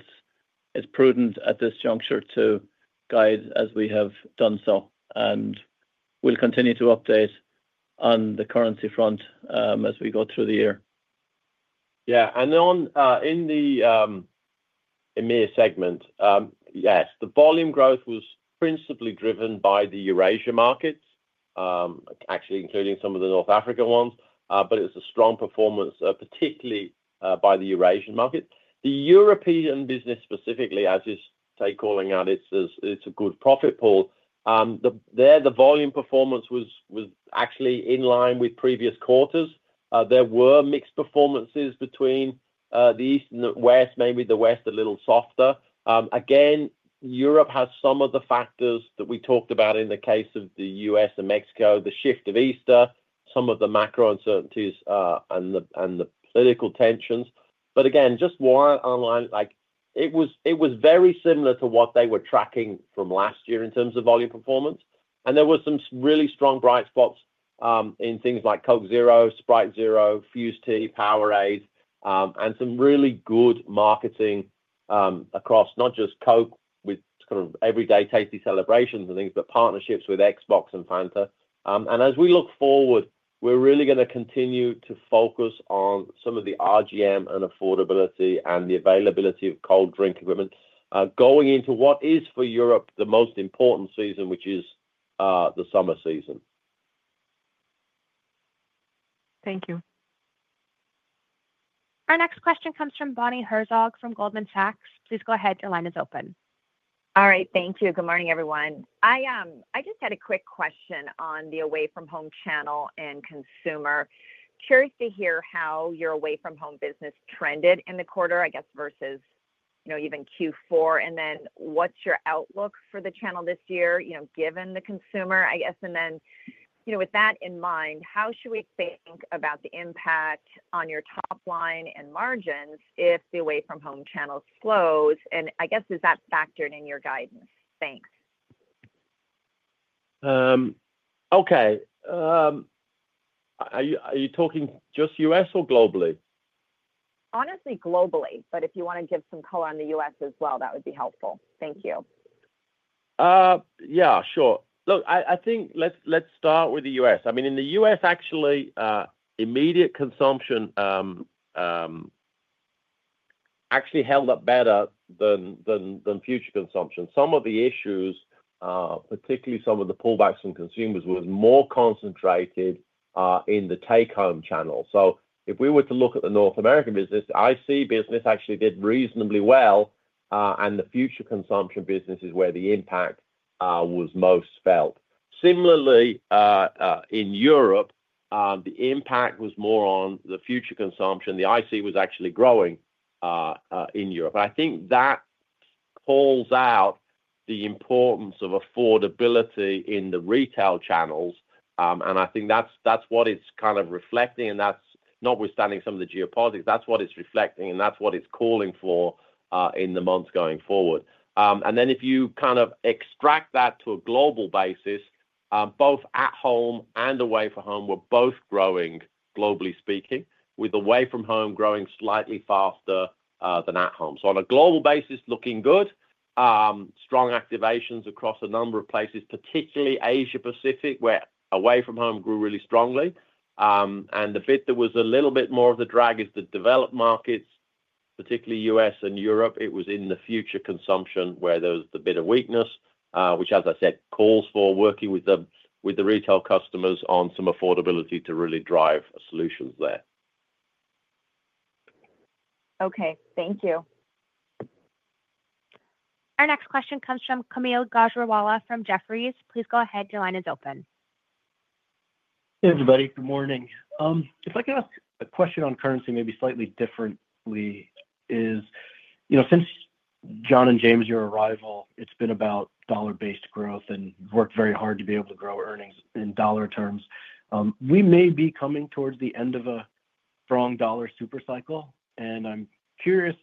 it's prudent at this juncture to guide as we have done so. We'll continue to update on the currency front as we go through the year. Yeah. In the EMEA segment, yes, the volume growth was principally driven by the Eurasia markets, actually including some of the North African ones. It was a strong performance, particularly by the Eurasian market. The European business specifically, as you say, calling out, it's a good profit pool. There, the volume performance was actually in line with previous quarters. There were mixed performances between the East and the West, maybe the West a little softer. Again, Europe has some of the factors that we talked about in the case of the U.S. and Mexico, the shift of Easter, some of the macro uncertainties, and the political tensions. Again, just one online, it was very similar to what they were tracking from last year in terms of volume performance. There were some really strong bright spots in things like Coke Zero, Sprite Zero, Fuze Tea, Powerade, and some really good marketing across not just Coke with kind of everyday tasty celebrations and things, but partnerships with Xbox and Fanta. As we look forward, we're really going to continue to focus on some of the RGM and affordability and the availability of cold drink equipment going into what is, for Europe, the most important season, which is the summer season. Thank you. Our next question comes from Bonnie Herzog from Goldman Sachs. Please go ahead. Your line is open. All right. Thank you. Good morning, everyone. I just had a quick question on the Away From Home channel and consumer. Curious to hear how your Away From Home business trended in the quarter, I guess, versus even Q4. What is your outlook for the channel this year, given the consumer, I guess? With that in mind, how should we think about the impact on your top line and margins if the Away From Home channel slows? Is that factored in your guidance? Thanks. Okay. Are you talking just U.S. or globally? Honestly, globally. If you want to give some color on the U.S. as well, that would be helpful. Thank you. Yeah, sure. Look, I think let's start with the U.S. I mean, in the U.S., actually, immediate consumption actually held up better than future consumption. Some of the issues, particularly some of the pullbacks in consumers, was more concentrated in the take-home channel. If we were to look at the North America business, IC business actually did reasonably well. The future consumption business is where the impact was most felt. Similarly, in Europe, the impact was more on the future consumption. The IC was actually growing in Europe. I think that calls out the importance of affordability in the retail channels. I think that's what it's kind of reflecting. That's notwithstanding some of the geopolitics. That's what it's reflecting. That's what it's calling for in the months going forward. If you kind of extract that to a global basis, both at home and away from home were both growing, globally speaking, with away from home growing slightly faster than at home. On a global basis, looking good, strong activations across a number of places, particularly Asia-Pacific, where away from home grew really strongly. The bit that was a little bit more of the drag is the developed markets, particularly U.S. and Europe. It was in the future consumption where there was a bit of weakness, which, as I said, calls for working with the retail customers on some affordability to really drive solutions there. Okay. Thank you. Our next question comes from Kaumil Gajrawala from Jefferies. Please go ahead. Your line is open. Hey, everybody. Good morning. If I can ask a question on currency, maybe slightly differently, is since John and James, your arrival, it's been about dollar-based growth and worked very hard to be able to grow earnings in dollar terms. We may be coming towards the end of a strong dollar supercycle. I'm curious,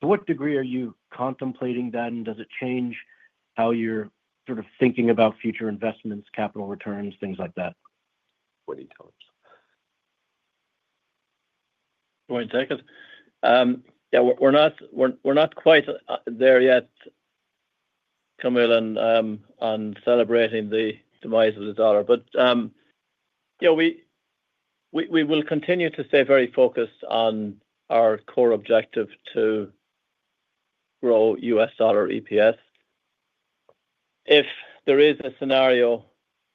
to what degree are you contemplating that? Does it change how you're sort of thinking about future investments, capital returns, things like that? Twenty times. Twenty seconds. Yeah. We're not quite there yet, Camille, on celebrating the demise of the dollar. Yeah, we will continue to stay very focused on our core objective to grow U.S. dollar EPS. If there is a scenario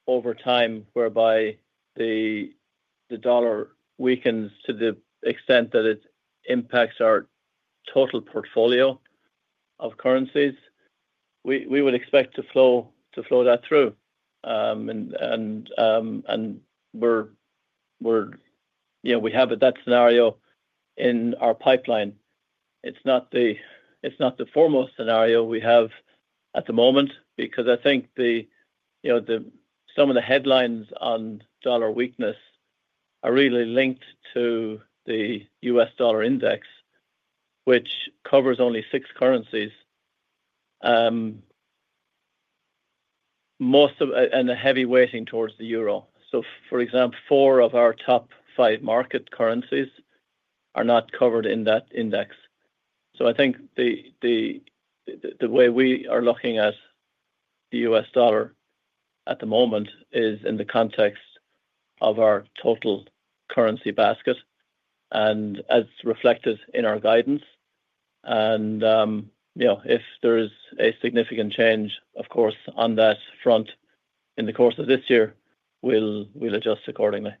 over time whereby the dollar weakens to the extent that it impacts our total portfolio of currencies, we would expect to flow that through. We have that scenario in our pipeline. It's not the foremost scenario we have at the moment because I think some of the headlines on dollar weakness are really linked to the US dollar index, which covers only six currencies, and the heavy weighting towards the euro. For example, four of our top five market currencies are not covered in that index. I think the way we are looking at the U.S. dollar at the moment is in the context of our total currency basket and as reflected in our guidance. If there is a significant change, of course, on that front in the course of this year, we'll adjust accordingly.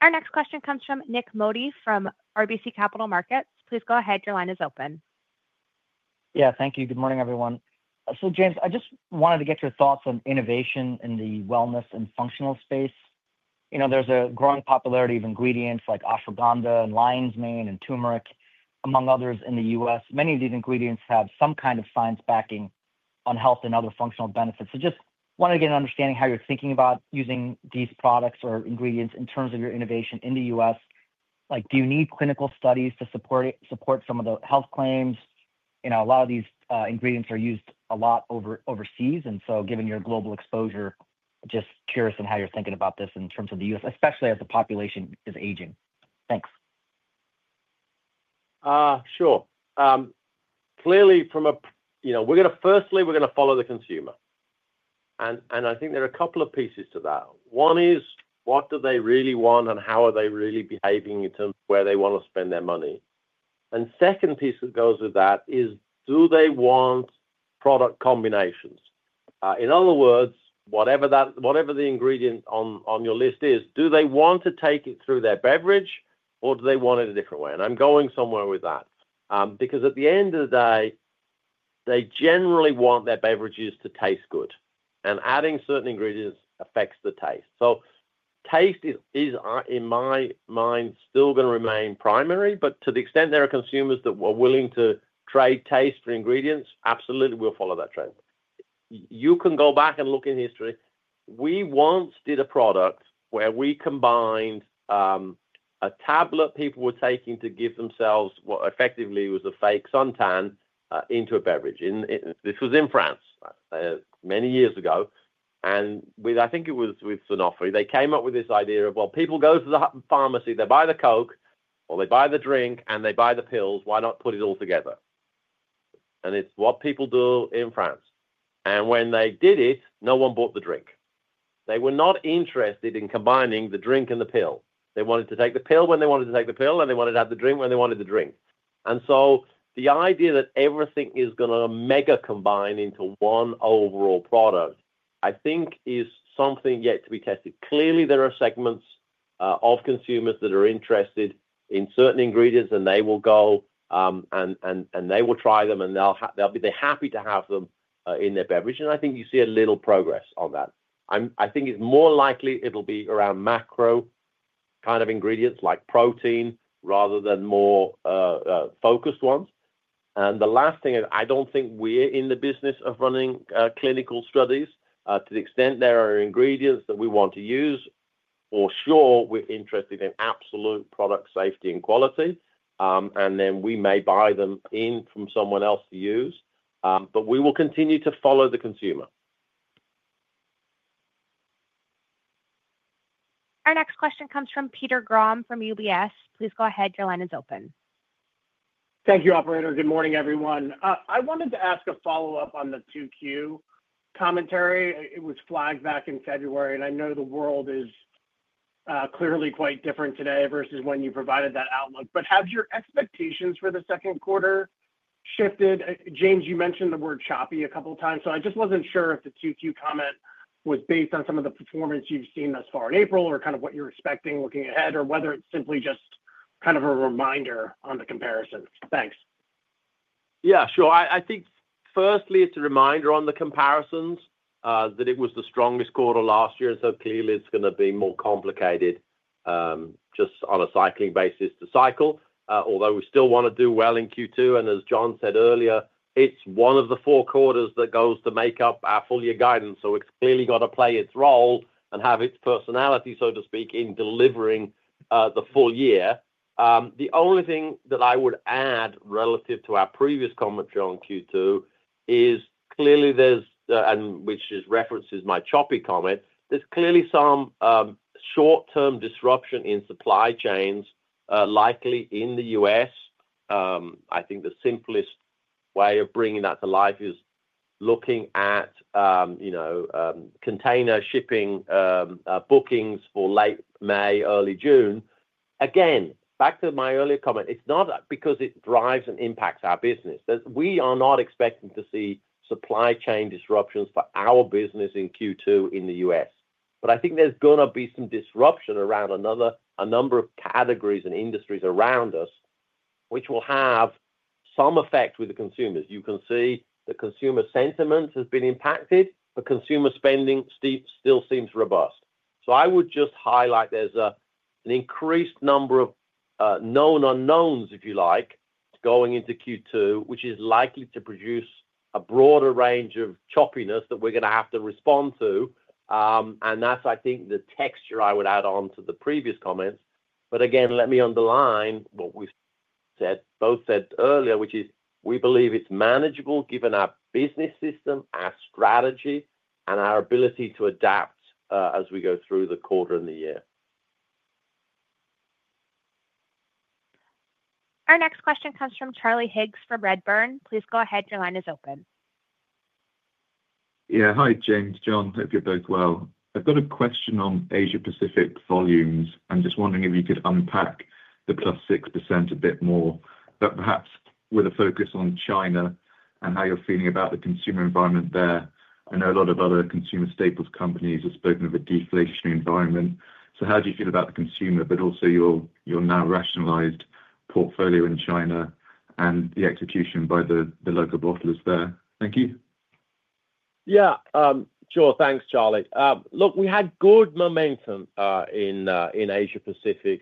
Our next question comes from Nik Modi from RBC Capital Markets. Please go ahead. Your line is open. Yeah. Thank you. Good morning, everyone. James, I just wanted to get your thoughts on innovation in the wellness and functional space. There's a growing popularity of ingredients like ashwagandha and lion's mane and turmeric, among others, in the U.S. Many of these ingredients have some kind of science backing on health and other functional benefits. Just wanted to get an understanding how you're thinking about using these products or ingredients in terms of your innovation in the U.S. Do you need clinical studies to support some of the health claims? A lot of these ingredients are used a lot overseas. Given your global exposure, just curious on how you're thinking about this in terms of the U.S., especially as the population is aging. Thanks. Sure. Clearly, firstly, we're going to follow the consumer. I think there are a couple of pieces to that. One is, what do they really want and how are they really behaving in terms of where they want to spend their money? The second piece that goes with that is, do they want product combinations? In other words, whatever the ingredient on your list is, do they want to take it through their beverage, or do they want it a different way? I'm going somewhere with that because, at the end of the day, they generally want their beverages to taste good. Adding certain ingredients affects the taste. Taste is, in my mind, still going to remain primary. To the extent there are consumers that are willing to trade taste for ingredients, absolutely, we'll follow that trend. You can go back and look in history. We once did a product where we combined a tablet people were taking to give themselves what effectively was a fake suntan into a beverage. This was in France many years ago. I think it was with Sanofi. They came up with this idea of, well, people go to the pharmacy, they buy the Coke, or they buy the drink, and they buy the pills. Why not put it all together? It is what people do in France. When they did it, no one bought the drink. They were not interested in combining the drink and the pill. They wanted to take the pill when they wanted to take the pill, and they wanted to have the drink when they wanted the drink. The idea that everything is going to mega combine into one overall product, I think, is something yet to be tested. Clearly, there are segments of consumers that are interested in certain ingredients, and they will go, and they will try them, and they'll be happy to have them in their beverage. I think you see a little progress on that. I think it's more likely it'll be around macro kind of ingredients like protein rather than more focused ones. The last thing, I don't think we're in the business of running clinical studies to the extent there are ingredients that we want to use. For sure, we're interested in absolute product safety and quality. We may buy them in from someone else to use. We will continue to follow the consumer. Our next question comes from Peter Grom from UBS. Please go ahead. Your line is open. Thank you, operator. Good morning, everyone. I wanted to ask a follow-up on the QQ commentary. It was flagged back in February. I know the world is clearly quite different today versus when you provided that outlook. Have your expectations for the second quarter shifted? James, you mentioned the word choppy a couple of times. I just was not sure if the Q2 comment was based on some of the performance you have seen thus far in April or kind of what you are expecting looking ahead or whether it is simply just kind of a reminder on the comparison. Thanks. Yeah, sure. I think, firstly, it is a reminder on the comparisons that it was the strongest quarter last year. It is going to be more complicated just on a cycling basis to cycle, although we still want to do well in Q2. As John said earlier, it is one of the four quarters that goes to make up our full-year guidance. It is clearly got to play its role and have its personality, so to speak, in delivering the full year. The only thing that I would add relative to our previous commentary on Q2 is clearly, which references my choppy comment, there is clearly some short-term disruption in supply chains likely in the U.S. I think the simplest way of bringing that to life is looking at container shipping bookings for late May, early June. Again, back to my earlier comment, it is not because it drives and impacts our business. We are not expecting to see supply chain disruptions for our business in Q2 in the U.S. I think there is going to be some disruption around a number of categories and industries around us, which will have some effect with the consumers. You can see the consumer sentiment has been impacted, but consumer spending still seems robust. I would just highlight there's an increased number of known unknowns, if you like, going into Q2, which is likely to produce a broader range of choppiness that we're going to have to respond to. That's, I think, the texture I would add on to the previous comments. Again, let me underline what we both said earlier, which is we believe it's manageable given our business system, our strategy, and our ability to adapt as we go through the quarter and the year. Our next question comes from Charlie Higgs from Redburn. Please go ahead. Your line is open. Yeah. Hi, James, John. Hope you're both well. I've got a question on Asia-Pacific volumes. I'm just wondering if you could unpack the plus 6% a bit more, but perhaps with a focus on China and how you're feeling about the consumer environment there. I know a lot of other consumer staples companies have spoken of a deflationary environment. How do you feel about the consumer, but also your now rationalized portfolio in China and the execution by the local bottlers there? Thank you. Yeah. Sure. Thanks, Charlie. Look, we had good momentum in Asia-Pacific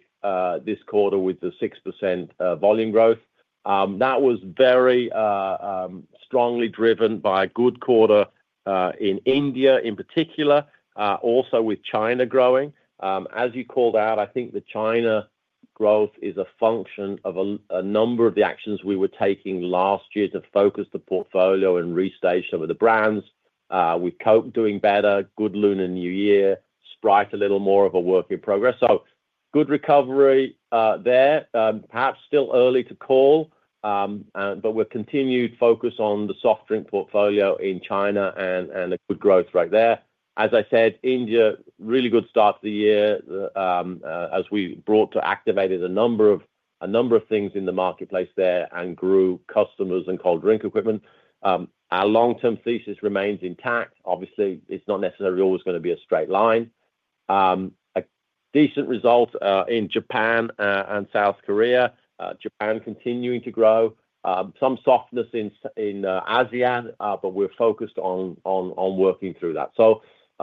this quarter with the 6% volume growth. That was very strongly driven by a good quarter in India in particular, also with China growing. As you called out, I think the China growth is a function of a number of the actions we were taking last year to focus the portfolio and restate some of the brands. With Coke doing better, good Lunar New Year, Sprite a little more of a work in progress. Good recovery there. Perhaps still early to call, but with continued focus on the soft drink portfolio in China and a good growth right there. As I said, India, really good start to the year as we brought to activate a number of things in the marketplace there and grew customers and cold drink equipment. Our long-term thesis remains intact. Obviously, it's not necessarily always going to be a straight line. A decent result in Japan and South Korea. Japan continuing to grow. Some softness in ASEAN, but we're focused on working through that.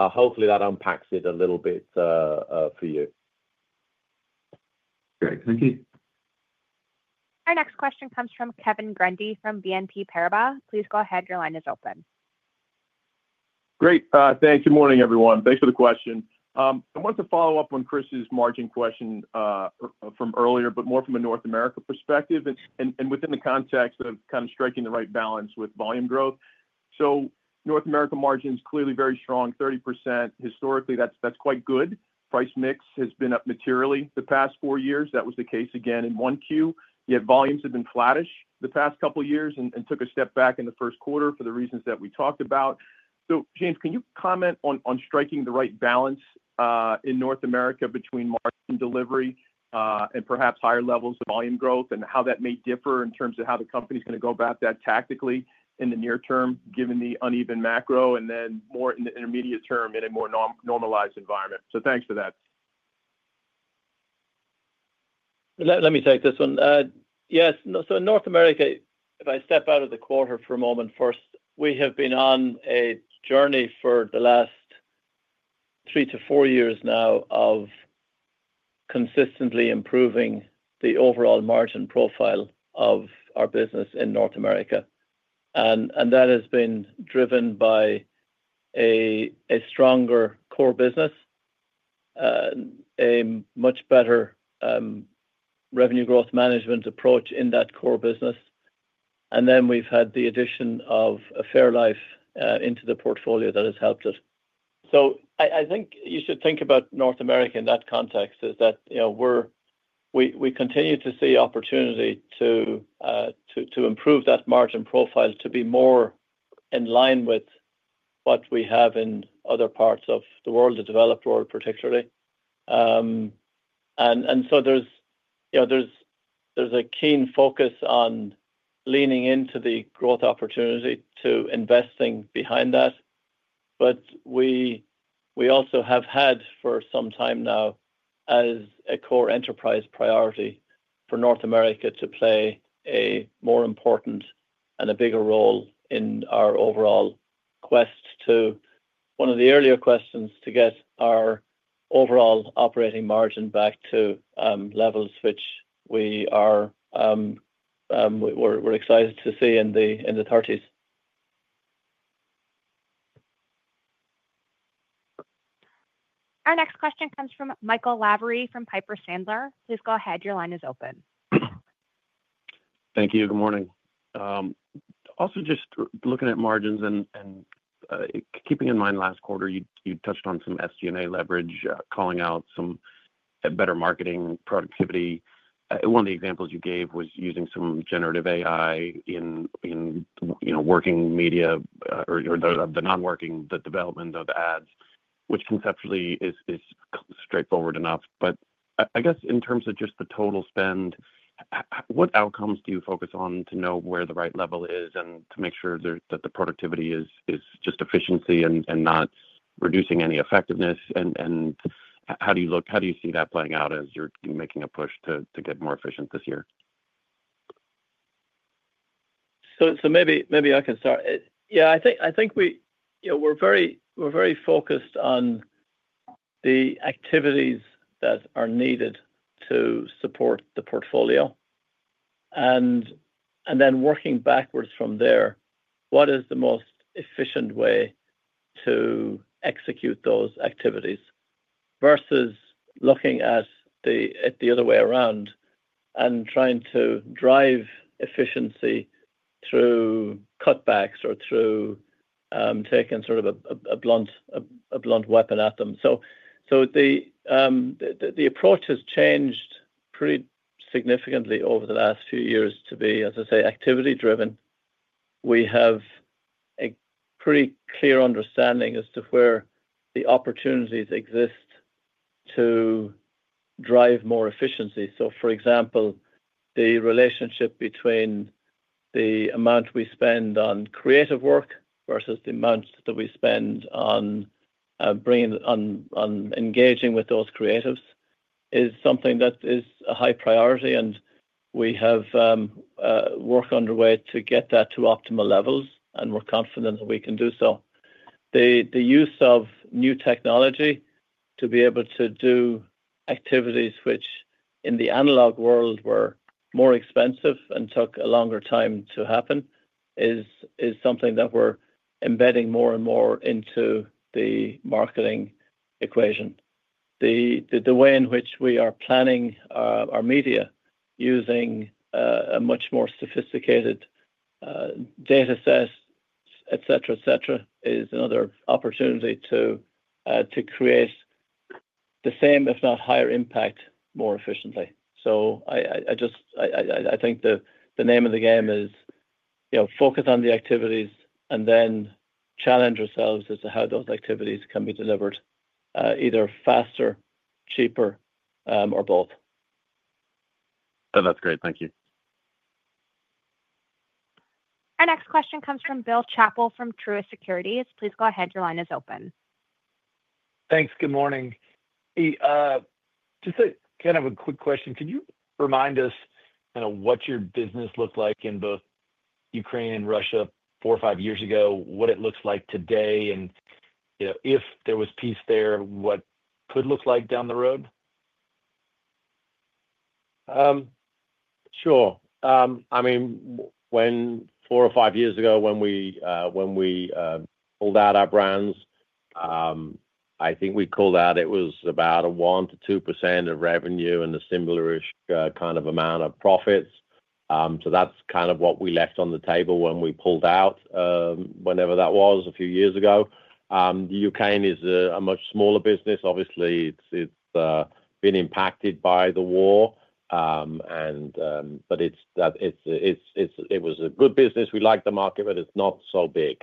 Hopefully, that unpacks it a little bit for you. Great. Thank you. Our next question comes from Kevin Grundy from BNP Paribas. Please go ahead. Your line is open. Great. Thanks. Good morning, everyone. Thanks for the question. I wanted to follow up on Chris's margin question from earlier, but more from a North America perspective and within the context of kind of striking the right balance with volume growth. North America margins clearly very strong, 30%. Historically, that's quite good. Price mix has been up materially the past four years. That was the case again in one Q. Yet volumes have been flattish the past couple of years and took a step back in the first quarter for the reasons that we talked about. James, can you comment on striking the right balance in North America between margin delivery and perhaps higher levels of volume growth and how that may differ in terms of how the company's going to go about that tactically in the near term given the uneven macro and then more in the intermediate term in a more normalized environment? Thanks for that. Let me take this one. Yes. In North America, if I step out of the quarter for a moment first, we have been on a journey for the last three to four years now of consistently improving the overall margin profile of our business in North America. That has been driven by a stronger core business, a much better revenue growth management approach in that core business. Then we've had the addition of Fairlife into the portfolio that has helped it. I think you should think about North America in that context, that we continue to see opportunity to improve that margin profile to be more in line with what we have in other parts of the world, the developed world particularly. There is a keen focus on leaning into the growth opportunity to investing behind that. We also have had for some time now as a core enterprise priority for North America to play a more important and a bigger role in our overall quest to one of the earlier questions to get our overall operating margin back to levels which we are excited to see in the 30s. Our next question comes from Michael Lavery from Piper Sandler. Please go ahead. Your line is open. Thank you. Good morning. Also just looking at margins and keeping in mind last quarter, you touched on some SG&A leverage, calling out some better marketing productivity. One of the examples you gave was using some generative AI in working media or the non-working, the development of ads, which conceptually is straightforward enough. I guess in terms of just the total spend, what outcomes do you focus on to know where the right level is and to make sure that the productivity is just efficiency and not reducing any effectiveness? How do you look? How do you see that playing out as you're making a push to get more efficient this year? Maybe I can start. Yeah. I think we're very focused on the activities that are needed to support the portfolio. Then working backwards from there, what is the most efficient way to execute those activities versus looking at the other way around and trying to drive efficiency through cutbacks or through taking sort of a blunt weapon at them? The approach has changed pretty significantly over the last few years to be, as I say, activity-driven. We have a pretty clear understanding as to where the opportunities exist to drive more efficiency. For example, the relationship between the amount we spend on creative work versus the amount that we spend on engaging with those creatives is something that is a high priority. We have work underway to get that to optimal levels, and we're confident that we can do so. The use of new technology to be able to do activities which in the analog world were more expensive and took a longer time to happen is something that we're embedding more and more into the marketing equation. The way in which we are planning our media using a much more sophisticated data set, etc., etc., is another opportunity to create the same, if not higher impact, more efficiently. I think the name of the game is focus on the activities and then challenge ourselves as to how those activities can be delivered either faster, cheaper, or both. That's great. Thank you. Our next question comes from Bill Chappell from Truist Securities. Please go ahead. Your line is open. Thanks. Good morning. Just kind of a quick question. Could you remind us what your business looked like in both Ukraine and Russia four or five years ago, what it looks like today, and if there was peace there, what could look like down the road? Sure. I mean, four or five years ago when we pulled out our brands, I think we called out it was about a 1-2% of revenue and a similar-ish kind of amount of profits. That's kind of what we left on the table when we pulled out whenever that was a few years ago. Ukraine is a much smaller business. Obviously, it's been impacted by the war, but it was a good business. We liked the market, but it's not so big.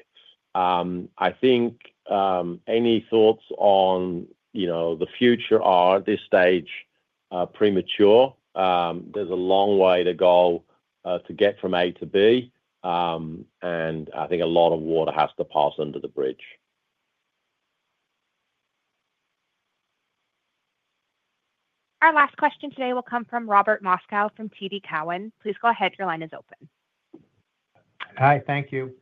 I think any thoughts on the future are at this stage premature. There's a long way to go to get from A to B, and I think a lot of water has to pass under the bridge. Our last question today will come from Robert Moskow from TD Cowen. Please go ahead. Your line is open. Hi. Thank you.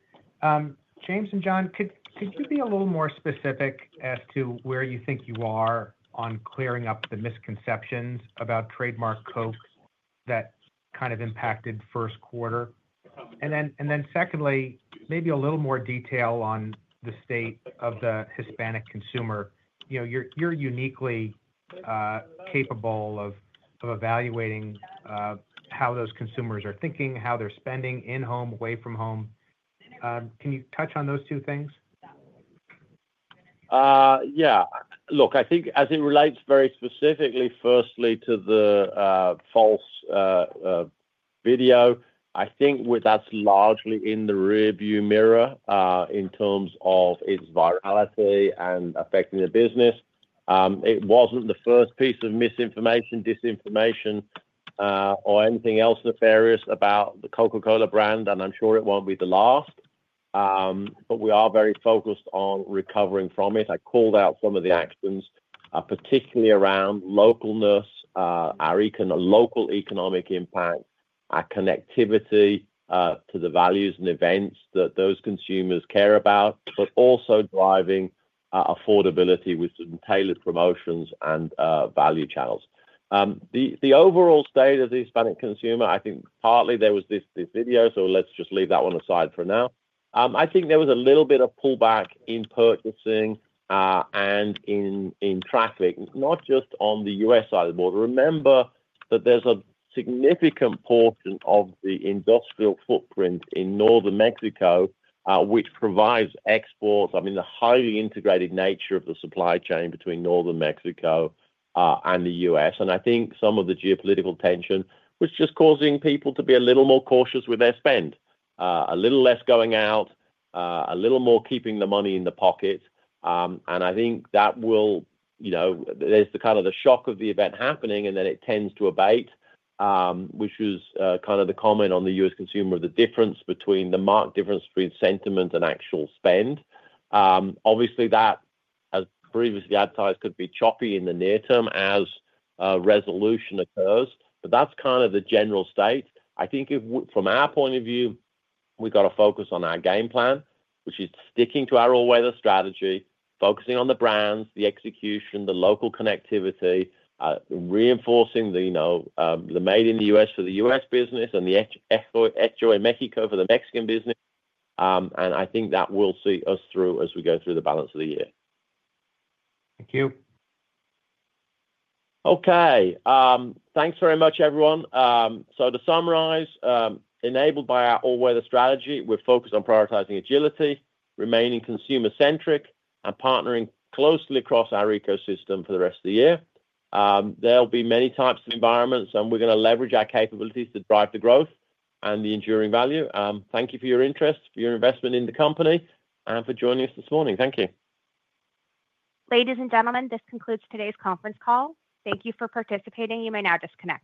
James and John, could you be a little more specific as to where you think you are on clearing up the misconceptions about trademark Coke that kind of impacted first quarter? Secondly, maybe a little more detail on the state of the Hispanic consumer. You're uniquely capable of evaluating how those consumers are thinking, how they're spending in home, away from home. Can you touch on those two things? Yeah. Look, I think as it relates very specifically, firstly, to the false video, I think that's largely in the rearview mirror in terms of its virality and affecting the business. It wasn't the first piece of misinformation, disinformation, or anything else nefarious about the Coca-Cola brand, and I'm sure it won't be the last. We are very focused on recovering from it. I called out some of the actions, particularly around locality, local economic impact, our connectivity to the values and events that those consumers care about, but also driving affordability with some tailored promotions and value channels. The overall state of the Hispanic consumer, I think partly there was this video, so let's just leave that one aside for now. I think there was a little bit of pullback in purchasing and in traffic, not just on the U.S. side of the border. Remember that there's a significant portion of the industrial footprint in northern Mexico which provides exports. I mean, the highly integrated nature of the supply chain between northern Mexico and the U.S. I think some of the geopolitical tension was just causing people to be a little more cautious with their spend, a little less going out, a little more keeping the money in the pocket. I think that will, there's the kind of the shock of the event happening, and then it tends to abate, which was kind of the comment on the U.S. consumer of the difference between the marked difference between sentiment and actual spend. Obviously, that, as previously advertised, could be choppy in the near term as resolution occurs, but that's kind of the general state. I think from our point of view, we've got to focus on our game plan, which is sticking to our all-weather strategy, focusing on the brands, the execution, the local connectivity, reinforcing the made in the U.S. for the U.S. business and the Hecho en México for the Mexican business. I think that will see us through as we go through the balance of the year. Thank you. Okay. Thanks very much, everyone. To summarize, enabled by our all-weather strategy, we're focused on prioritizing agility, remaining consumer-centric, and partnering closely across our ecosystem for the rest of the year. There will be many types of environments, and we're going to leverage our capabilities to drive the growth and the enduring value. Thank you for your interest, for your investment in the company, and for joining us this morning. Thank you. Ladies and gentlemen, this concludes today's conference call. Thank you for participating. You may now disconnect.